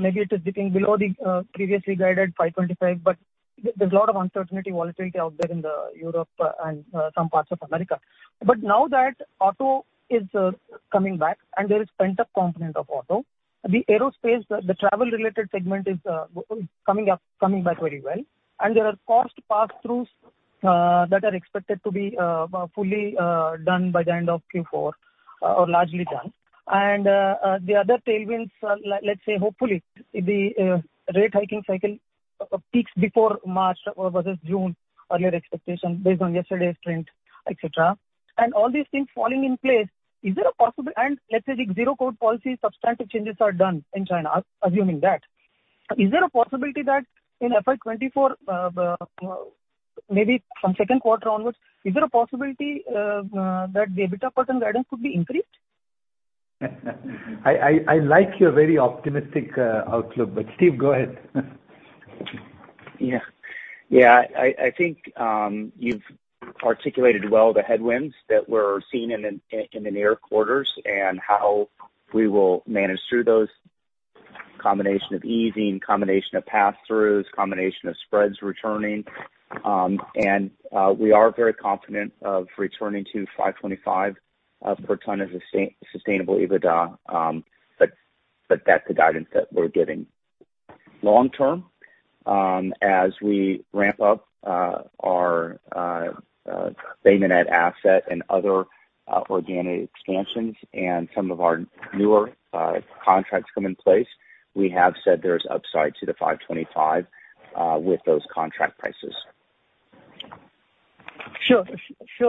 Maybe it is dipping below the previously guided $525, but there's a lot of uncertainty volatility out there in Europe and some parts of America. Now that auto is coming back and there is pent-up component of auto, the aerospace, the travel-related segment is coming up, coming back very well. There are cost pass-throughs that are expected to be fully done by the end of Q4 or largely done. The other tailwinds are let's say hopefully the rate hiking cycle peaks before March or versus June, earlier expectation based on yesterday's trend, et cetera. All these things falling in place. Is there a possibility that the zero-COVID policy substantive changes are done in China, assuming that. Is there a possibility that in FY 2024, maybe from second quarter onwards, the EBITDA per ton guidance could be increased? I like your very optimistic outlook, but Steve, go ahead. Yeah. I think you've articulated well the headwinds that we're seeing in the near quarters and how we will manage through those. Combination of easing, pass-throughs, and spreads returning. We are very confident of returning to $525 per ton as a sustainable EBITDA. That's the guidance that we're giving. Long term, as we ramp up our Bay Minette asset and other organic expansions and some of our newer contracts come in place, we have said there's upside to the $525 with those contract prices. Sure,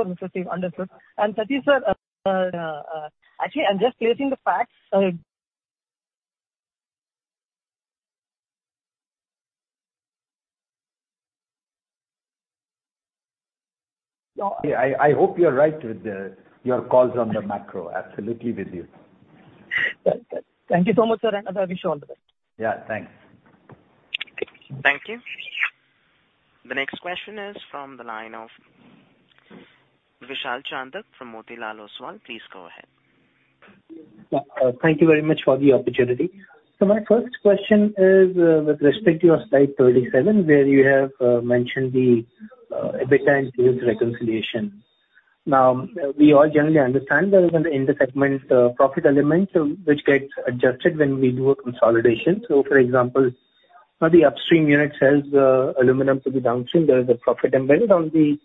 Mr. Steve. Understood. Satish, sir, actually, I'm just stating the facts. I hope you're right with your calls on the macro. Absolutely with you. Well, thank you so much, sir. I wish you all the best. Yeah, thanks. Thank you. The next question is from the line of Vishal Chandak from Motilal Oswal. Please go ahead. Yeah. Thank you very much for the opportunity. My first question is, with respect to your slide 37, where you have mentioned the EBITDA and sales reconciliation. Now, we all generally understand there is an inter-segment profit element, which gets adjusted when we do a consolidation. For example, now the upstream unit sells aluminum to the downstream. There is a profit embedded. On the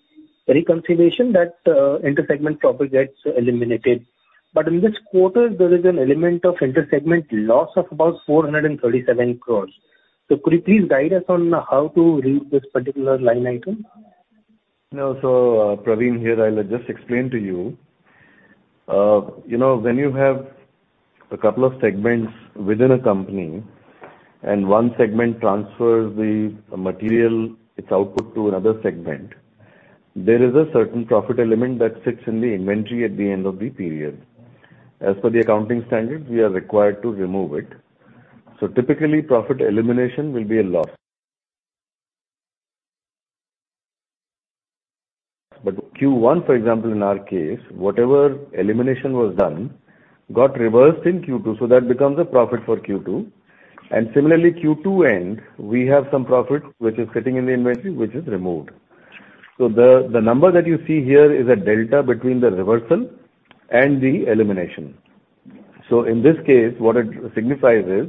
reconciliation, that inter-segment profit gets eliminated. In this quarter, there is an element of inter-segment loss of about 437 crores. Could you please guide us on how to read this particular line item? No. Praveen here. I'll just explain to you. You know, when you have a couple of segments within a company and one segment transfers the material, its output to another segment, there is a certain profit element that sits in the inventory at the end of the period. As per the accounting standard, we are required to remove it. Typically, profit elimination will be a loss. Q1, for example, in our case, whatever elimination was done got reversed in Q2, so that becomes a profit for Q2. Similarly, Q2 end, we have some profit which is sitting in the inventory, which is removed. The number that you see here is a delta between the reversal and the elimination. In this case, what it signifies is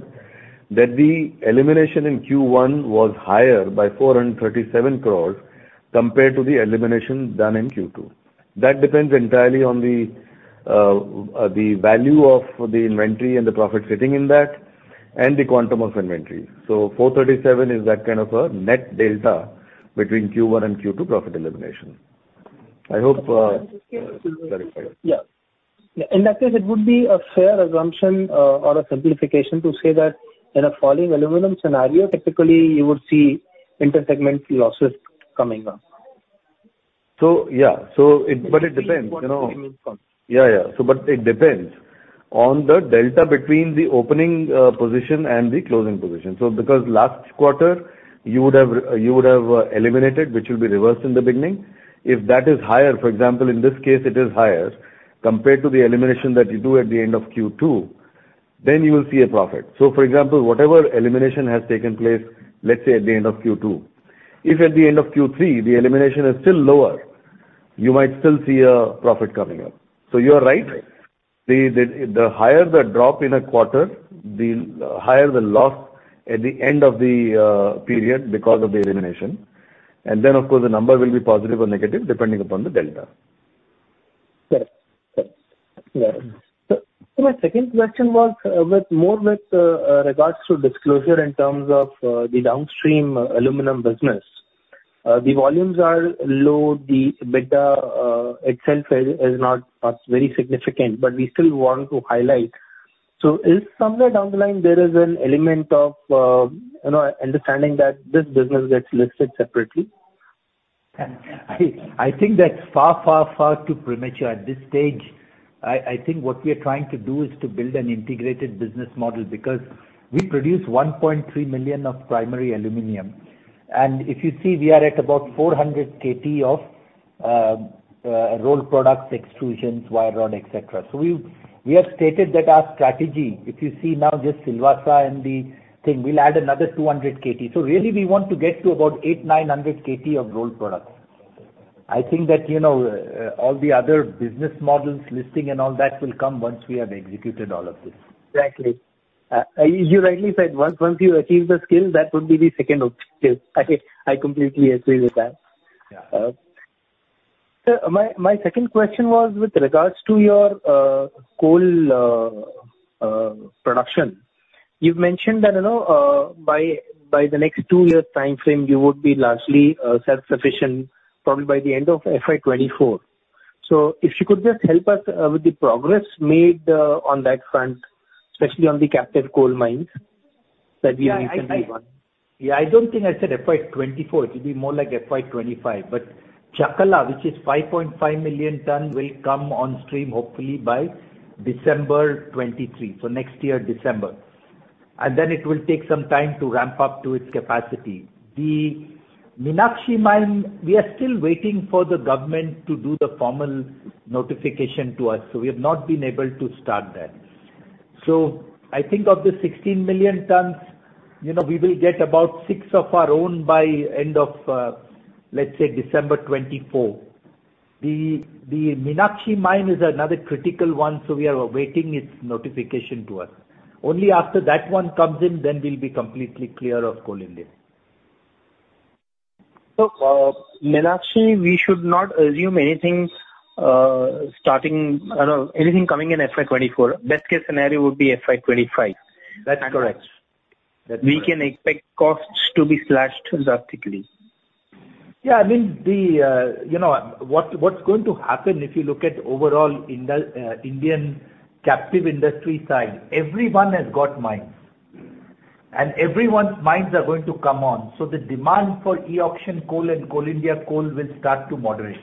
that the elimination in Q1 was higher by 437 crore compared to the elimination done in Q2. That depends entirely on the value of the inventory and the profit sitting in that and the quantum of inventory. 437 is that kind of a net delta between Q1 and Q2 profit elimination. I hope that clarifies. Yeah. In that case, it would be a fair assumption, or a simplification to say that in a falling aluminum scenario, typically you would see inter-segment losses coming up. It depends, you know. It depends on the delta between the opening position and the closing position. Because last quarter you would have eliminated, which will be reversed in the beginning. If that is higher, for example, in this case it is higher compared to the elimination that you do at the end of Q2, then you will see a profit. For example, whatever elimination has taken place, let's say at the end of Q2, if at the end of Q3 the elimination is still lower, you might still see a profit coming up. You are right. The higher the drop in a quarter, the higher the loss at the end of the period because of the elimination. Of course, the number will be positive or negative depending upon the delta. Yes. My second question was with more regards to disclosure in terms of the downstream aluminum business. The volumes are low. The EBITDA itself is not very significant, but we still want to highlight. Is there somewhere down the line an element of understanding that this business gets listed separately? I think that's far too premature at this stage. I think what we are trying to do is to build an integrated business model because we produce 1.3 million of primary aluminum. If you see, we are at about 400 Kt of rolled products, extrusions, wire rod, et cetera. We have stated that our strategy, if you see now just Silvassa and the thing, we'll add another 200 Kt. Really we want to get to about 800-900 Kt of rolled products. I think that all the other business models, listing and all that will come once we have executed all of this. Exactly. You rightly said once you achieve the scale, that would be the second objective. I completely agree with that. Yeah. My second question was with regards to your coal production. You've mentioned that, you know, by the next two-year timeframe, you would be largely self-sufficient probably by the end of FY 2024. If you could just help us with the progress made on that front, especially on the captive coal mines that we recently won. Yeah. I don't think I said FY 2024. It'll be more like FY 2025. Chakla, which is 5.5 million tons, will come on stream hopefully by December 2023, so next year, December. It will take some time to ramp up to its capacity. The Meenakshi mine, we are still waiting for the government to do the formal notification to us, so we have not been able to start that. I think of the 16 million tons, you know, we will get about 6 of our own by end of, let's say December 2024. The Meenakshi mine is another critical one, so we are awaiting its notification to us. Only after that one comes in, then we'll be completely clear of Coal India. Meenakshi, we should not assume anything, I don't know, anything coming in FY 2024. Best case scenario would be FY 2025. That's correct. That's correct. We can expect costs to be slashed drastically. Yeah. I mean, the, you know, what's going to happen if you look at overall Indian captive industry side, everyone has got mines, and everyone's mines are going to come on. So the demand for e-auction coal and Coal India coal will start to moderate.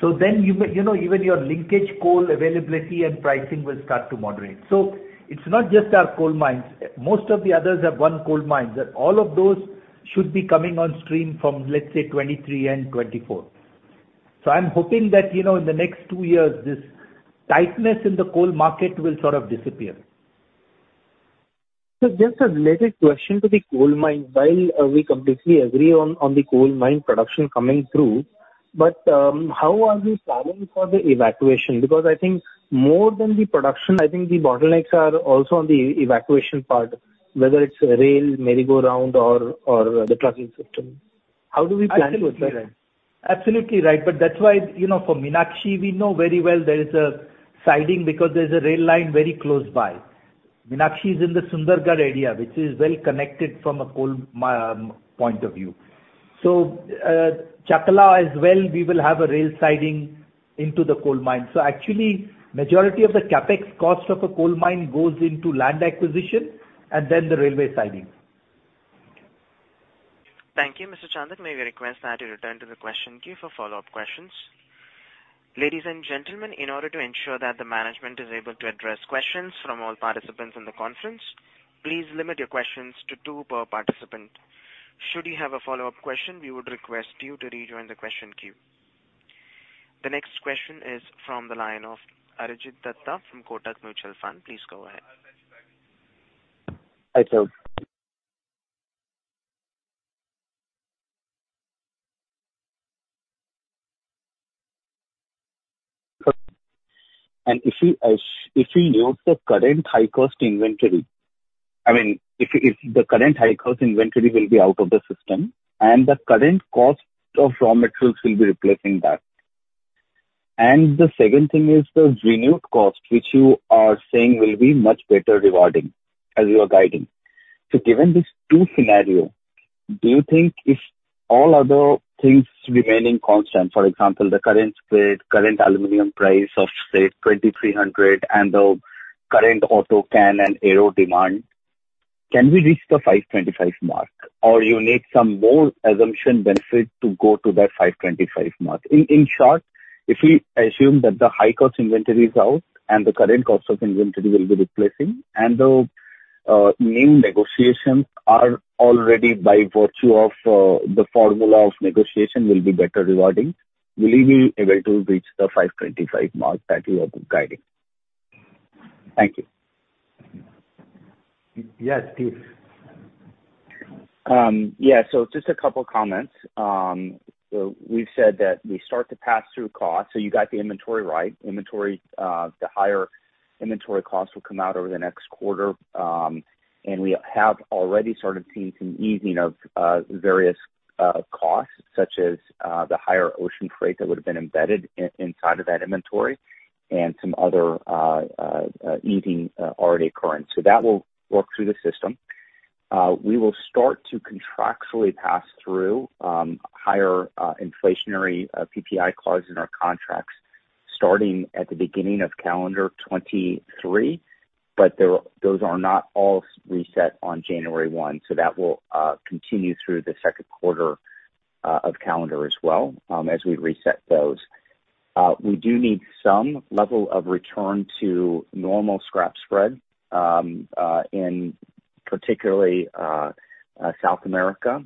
So then you may, you know, even your linkage coal availability and pricing will start to moderate. So it's not just our coal mines. Most of the others have own coal mines, and all of those should be coming on stream from, let's say, 2023 and 2024. So I'm hoping that, you know, in the next two years, this tightness in the coal market will sort of disappear. Just a related question to the coal mine. While we completely agree on the coal mine production coming through, but how are we planning for the evacuation? Because I think more than the production, I think the bottlenecks are also on the evacuation part, whether it's rail, merry-go-round or the trucking system. How do we plan with that? Absolutely right. That's why, you know, for Meenakshi, we know very well there is a siding because there's a rail line very close by. Meenakshi is in the Sundargarh area, which is well connected from a coal point of view. Chakla as well, we will have a rail siding into the coal mine. Actually majority of the CapEx cost of a coal mine goes into land acquisition and then the railway siding. Thank you, Mr. Chandak. May we request that you return to the question queue for follow-up questions. Ladies and gentlemen, in order to ensure that the management is able to address questions from all participants on the conference, please limit your questions to two per participant. Should you have a follow-up question, we would request you to rejoin the question queue. The next question is from the line of Arijit Dutta from Kotak Mutual Fund. Please go ahead. Hi, Arijit. If you note the current high cost inventory, I mean, if the current high cost inventory will be out of the system and the current cost of raw materials will be replacing that. The second thing is the renewed cost, which you are saying will be much better rewarding as you are guiding. Given these two scenario, do you think if all other things remaining constant, for example, the current spread, current aluminum price of say $2,300 and the current auto can and aero demand Can we reach the $525 mark or you need some more assumption benefit to go to that $525 mark? In short, if we assume that the high cost inventory is out and the current cost of inventory will be replacing, and the new negotiations are already by virtue of the formula of negotiation will be better rewarding, will you be able to reach the $525 mark that you are guiding? Thank you. Yes, please. Yeah. Just a couple of comments. We've said that we start to pass through costs, you got the inventory right. Inventory, the higher inventory costs will come out over the next quarter, and we have already started seeing some easing of various costs such as the higher ocean freight that would have been embedded in that inventory and some other easing already occurring. That will work through the system. We will start to contractually pass through higher inflationary PPI clause in our contracts starting at the beginning of calendar 2023, but those are not all reset on January 1, so that will continue through the second quarter of calendar 2023 as well, as we reset those. We do need some level of return to normal scrap spread in particular South America.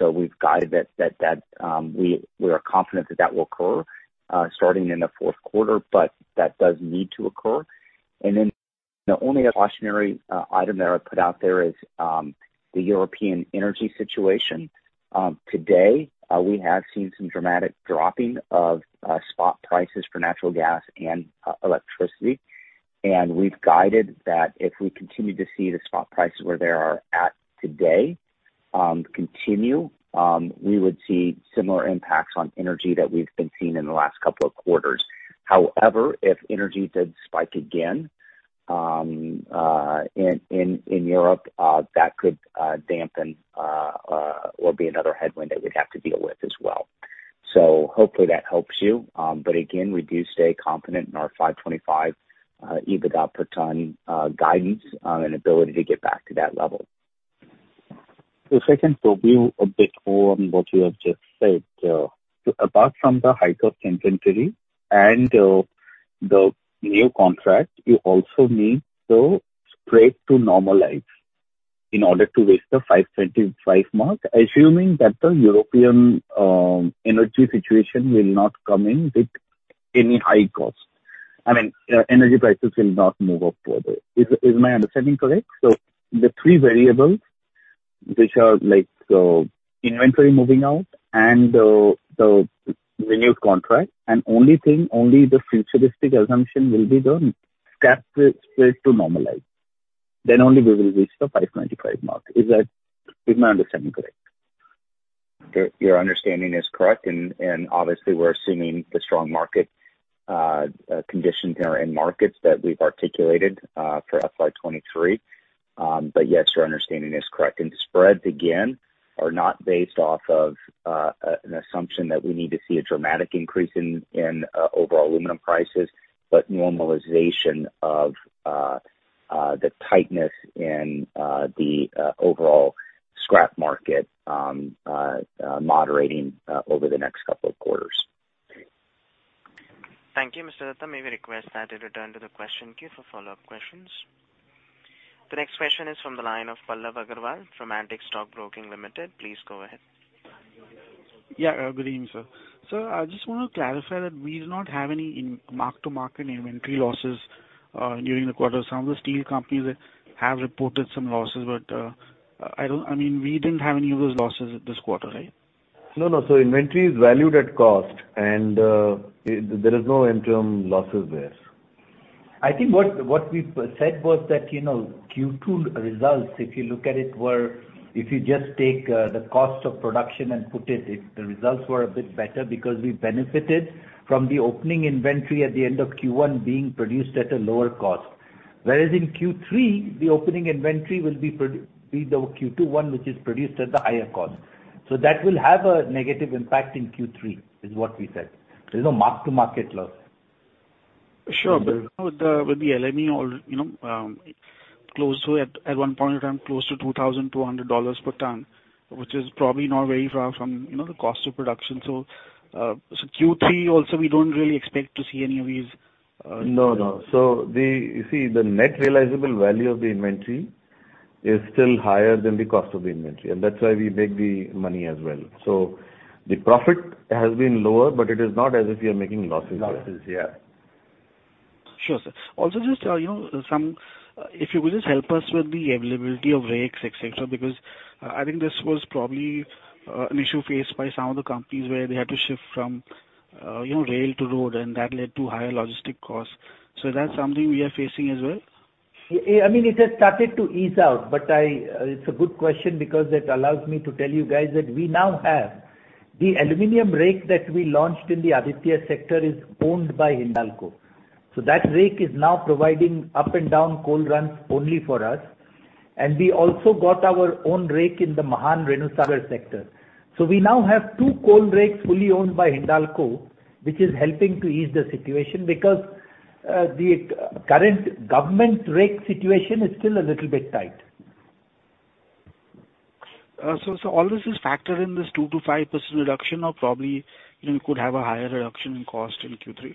We've guided that we are confident that that will occur starting in the fourth quarter, but that does need to occur. Then the only cautionary item that I would put out there is the European energy situation. Today we have seen some dramatic dropping of spot prices for natural gas and electricity. We've guided that if we continue to see the spot prices where they are at today, we would see similar impacts on energy that we've been seeing in the last couple of quarters. However, if energy did spike again, in Europe, that could dampen or be another headwind that we'd have to deal with as well. Hopefully that helps you. Again, we do stay confident in our $525 EBITDA per ton guidance and ability to get back to that level. If I can probe you a bit more on what you have just said. Apart from the high cost inventory and the new contract, you also need the spread to normalize in order to reach the $525 mark, assuming that the European energy situation will not come in with any high cost. I mean, energy prices will not move up further. Is my understanding correct? The three variables which are like the inventory moving out and the renewed contract, and only the futuristic assumption will be the scrap spread to normalize, then only we will reach the $525 mark. Is that my understanding correct? Your understanding is correct. Obviously we're assuming the strong market conditions in our end markets that we've articulated for FY 2023. Yes, your understanding is correct. The spreads, again, are not based off of an assumption that we need to see a dramatic increase in overall aluminum prices, but normalization of the tightness in the overall scrap market moderating over the next couple of quarters. Thank you, Mr. Dutta. May we request that you return to the question queue for follow-up questions. The next question is from the line of Pallav Agarwal from Antique Stock Broking Limited. Please go ahead. Yeah, good evening, sir. I just want to clarify that we do not have any mark-to-market inventory losses during the quarter. Some of the steel companies have reported some losses, but I mean, we didn't have any of those losses this quarter, right? No, no. Inventory is valued at cost and, there is no interim losses there. I think what we said was that, you know, Q2 results, if you look at it, were, if you just take the cost of production and put it, the results were a bit better because we benefited from the opening inventory at the end of Q1 being produced at a lower cost. Whereas in Q3, the opening inventory will be the Q2 one, which is produced at the higher cost. That will have a negative impact in Q3, is what we said. There's no mark-to-market loss. Sure. With the LME, you know, close to, at one point in time, close to $2,200 per ton, which is probably not very far from, you know, the cost of production. Q3 also, we don't really expect to see any of these. No, no. You see, the net realizable value of the inventory is still higher than the cost of the inventory, and that's why we make the money as well. The profit has been lower, but it is not as if we are making losses. Losses. Yeah. Sure, sir. Also, just, you know, some, if you could just help us with the availability of rakes, et cetera, because I think this was probably, an issue faced by some of the companies where they had to shift from, you know, rail to road, and that led to higher logistics costs. Is that something we are facing as well? I mean, it has started to ease out, but it's a good question because it allows me to tell you guys that we now have the aluminum rake that we launched in the Aditya sector is owned by Hindalco. That rake is now providing up and down coal runs only for us. We also got our own rake in the Mahan Renusagar sector. We now have two coal rakes fully owned by Hindalco, which is helping to ease the situation. The current government rake situation is still a little bit tight. All this is factored in this 2%-5% reduction or probably you could have a higher reduction in cost in Q3?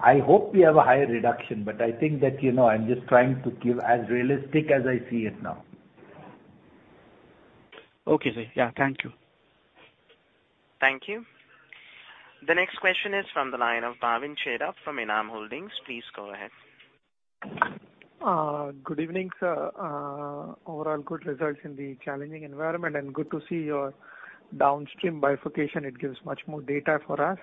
I hope we have a higher reduction, but I think that, you know, I'm just trying to give as realistic as I see it now. Okay, sir. Yeah. Thank you. Thank you. The next question is from the line of Bhavin Chheda from ENAM Holdings. Please go ahead. Good evening, sir. Overall good results in the challenging environment, and good to see your downstream bifurcation. It gives much more data for us.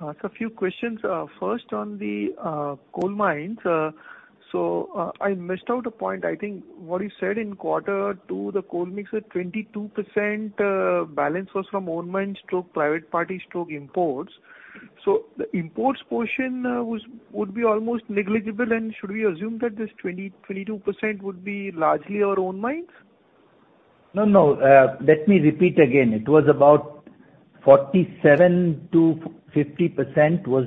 A few questions. First on the coal mines. I missed out a point, I think what you said in quarter two, the coal mix at 22%, balance was from own mines/private party/imports. The imports portion would be almost negligible, and should we assume that this 22% would be largely your own mines? No, no. Let me repeat again. It was about 47%-50% was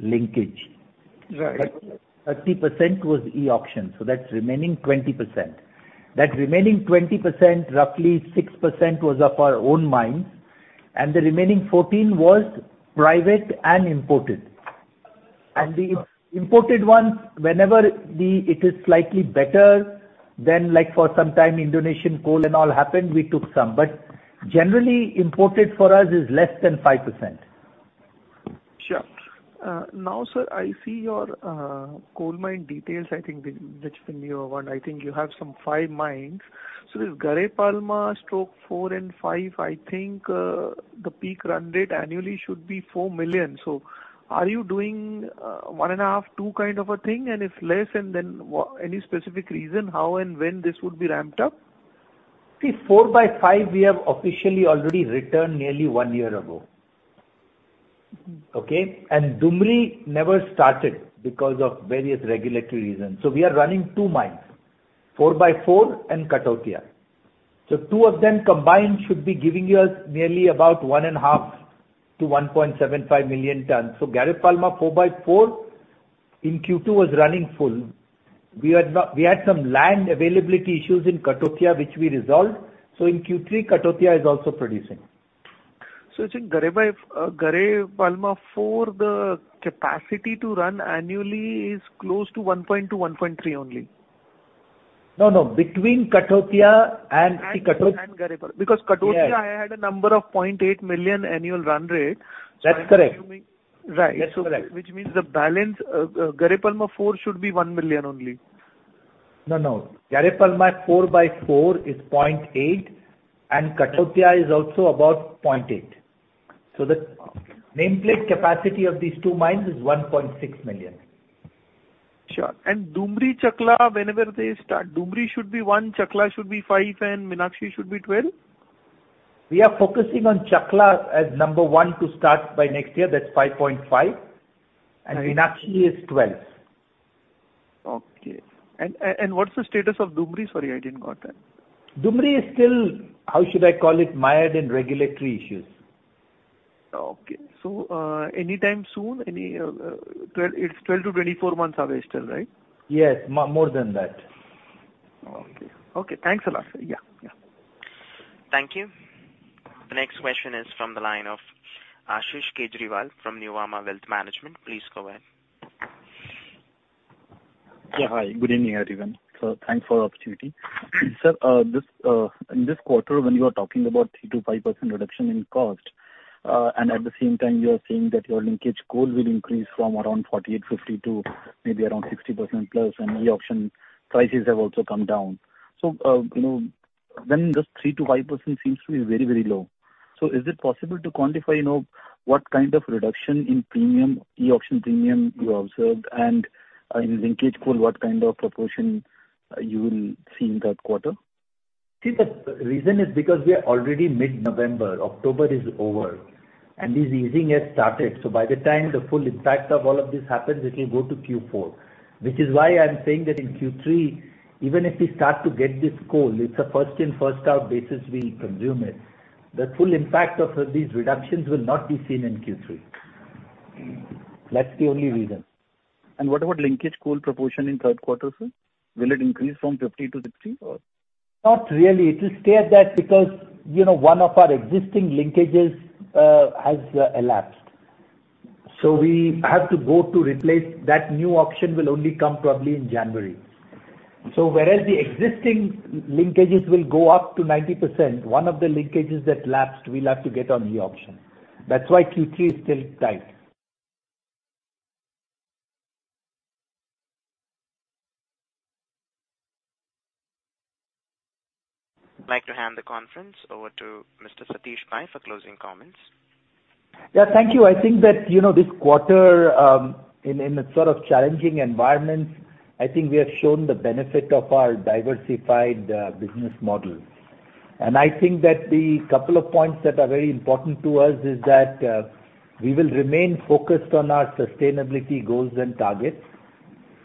linkage. Right. 30% was e-auction, so that's remaining 20%. That remaining 20%, roughly 6% was of our own mines, and the remaining 14 was private and imported. The imported ones, whenever it is slightly better than like for some time Indonesian coal and all happened, we took some. Generally, imported for us is less than 5%. Sure. Now, sir, I see your coal mine details, I think the which. Yeah. I think you have some five mines. This Gare Palma IV and V, I think, the peak run rate annually should be 4 million. Are you doing 1.5, 2 kind of a thing? If less, then any specific reason how and when this would be ramped up? See, IV by V we have officially already returned nearly one year ago. Mm. Okay? Dumri never started because of various regulatory reasons. We are running two mines, Chakla and Kathautia. Two of them combined should be giving you nearly about 1.5-1.75 million tons. Gare Palma Chakla in Q2 was running full. We had some land availability issues in Kathautia, which we resolved. In Q3, Kathautia is also producing. I think Gare Palma IV, the capacity to run annually is close to 1.2-1.3 only. No, no. Between Kathautia and Gare Palma. Yeah. Because Kathautia had 0.8 million annual run rate. That's correct. Right. That's correct. Which means the balance of Gare Palma IV should be 1 million only. No, no. Chakla 4 by 4 is 0.8, and Kathautia is also about 0.8. The nameplate capacity of these two mines is 1.6 million. Sure. Dumri, Chakla, whenever they start, Dumri should be 1, Chakla should be 5, and Meenakshi should be 12? We are focusing on Chakla as number one to start by next year. That's 5.5. Right. Meenakshi is 12. Okay. What's the status of Dumri? Sorry, I didn't got that. Dumri is still, how should I call it, mired in regulatory issues. Okay. Anytime soon? It's 12-24 months away still, right? Yes. More than that. Okay. Okay, thanks a lot, sir. Yeah, yeah. Thank you. The next question is from the line of Ashish Kejriwal from Nuvama Wealth Management. Please go ahead. Yeah, hi. Good evening, everyone. Thanks for the opportunity. Sir, this, in this quarter, when you are talking about 3%-5% reduction in cost, and at the same time you are saying that your linkage coal will increase from around 48-50 to maybe around 60%+, and the auction prices have also come down. You know, then this 3%-5% seems to be very, very low. Is it possible to quantify, you know, what kind of reduction in premium, e-auction premium you observed and, in linkage coal, what kind of proportion you will see in third quarter? See, the reason is because we are already mid-November. October is over. This easing has started. By the time the full impact of all of this happens, it will go to Q4, which is why I'm saying that in Q3, even if we start to get this coal, it's a first in, first out basis we'll consume it. The full impact of these reductions will not be seen in Q3. Mm. That's the only reason. What about linkage coal proportion in third quarter, sir? Will it increase from 50 to 60 or? Not really. It will stay at that because, you know, one of our existing linkages has lapsed. We have to go to replace. That new auction will only come probably in January. Whereas the existing linkages will go up to 90%, one of the linkages that lapsed, we'll have to get on the auction. That's why Q3 is still tight. I'd like to hand the conference over to Mr. Satish Pai for closing comments. Yeah, thank you. I think that, you know, this quarter, in a sort of challenging environment, I think we have shown the benefit of our diversified business model. I think that the couple of points that are very important to us is that we will remain focused on our sustainability goals and targets.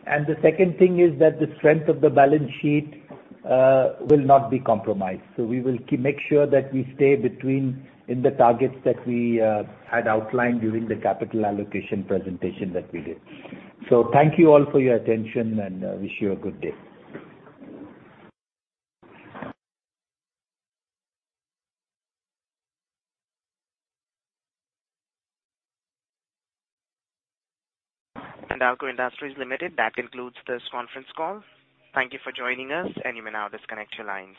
The second thing is that the strength of the balance sheet will not be compromised. We will make sure that we stay within the targets that we had outlined during the capital allocation presentation that we did. Thank you all for your attention, and wish you a good day. Hindalco Industries Limited, that concludes this conference call. Thank you for joining us, and you may now disconnect your lines.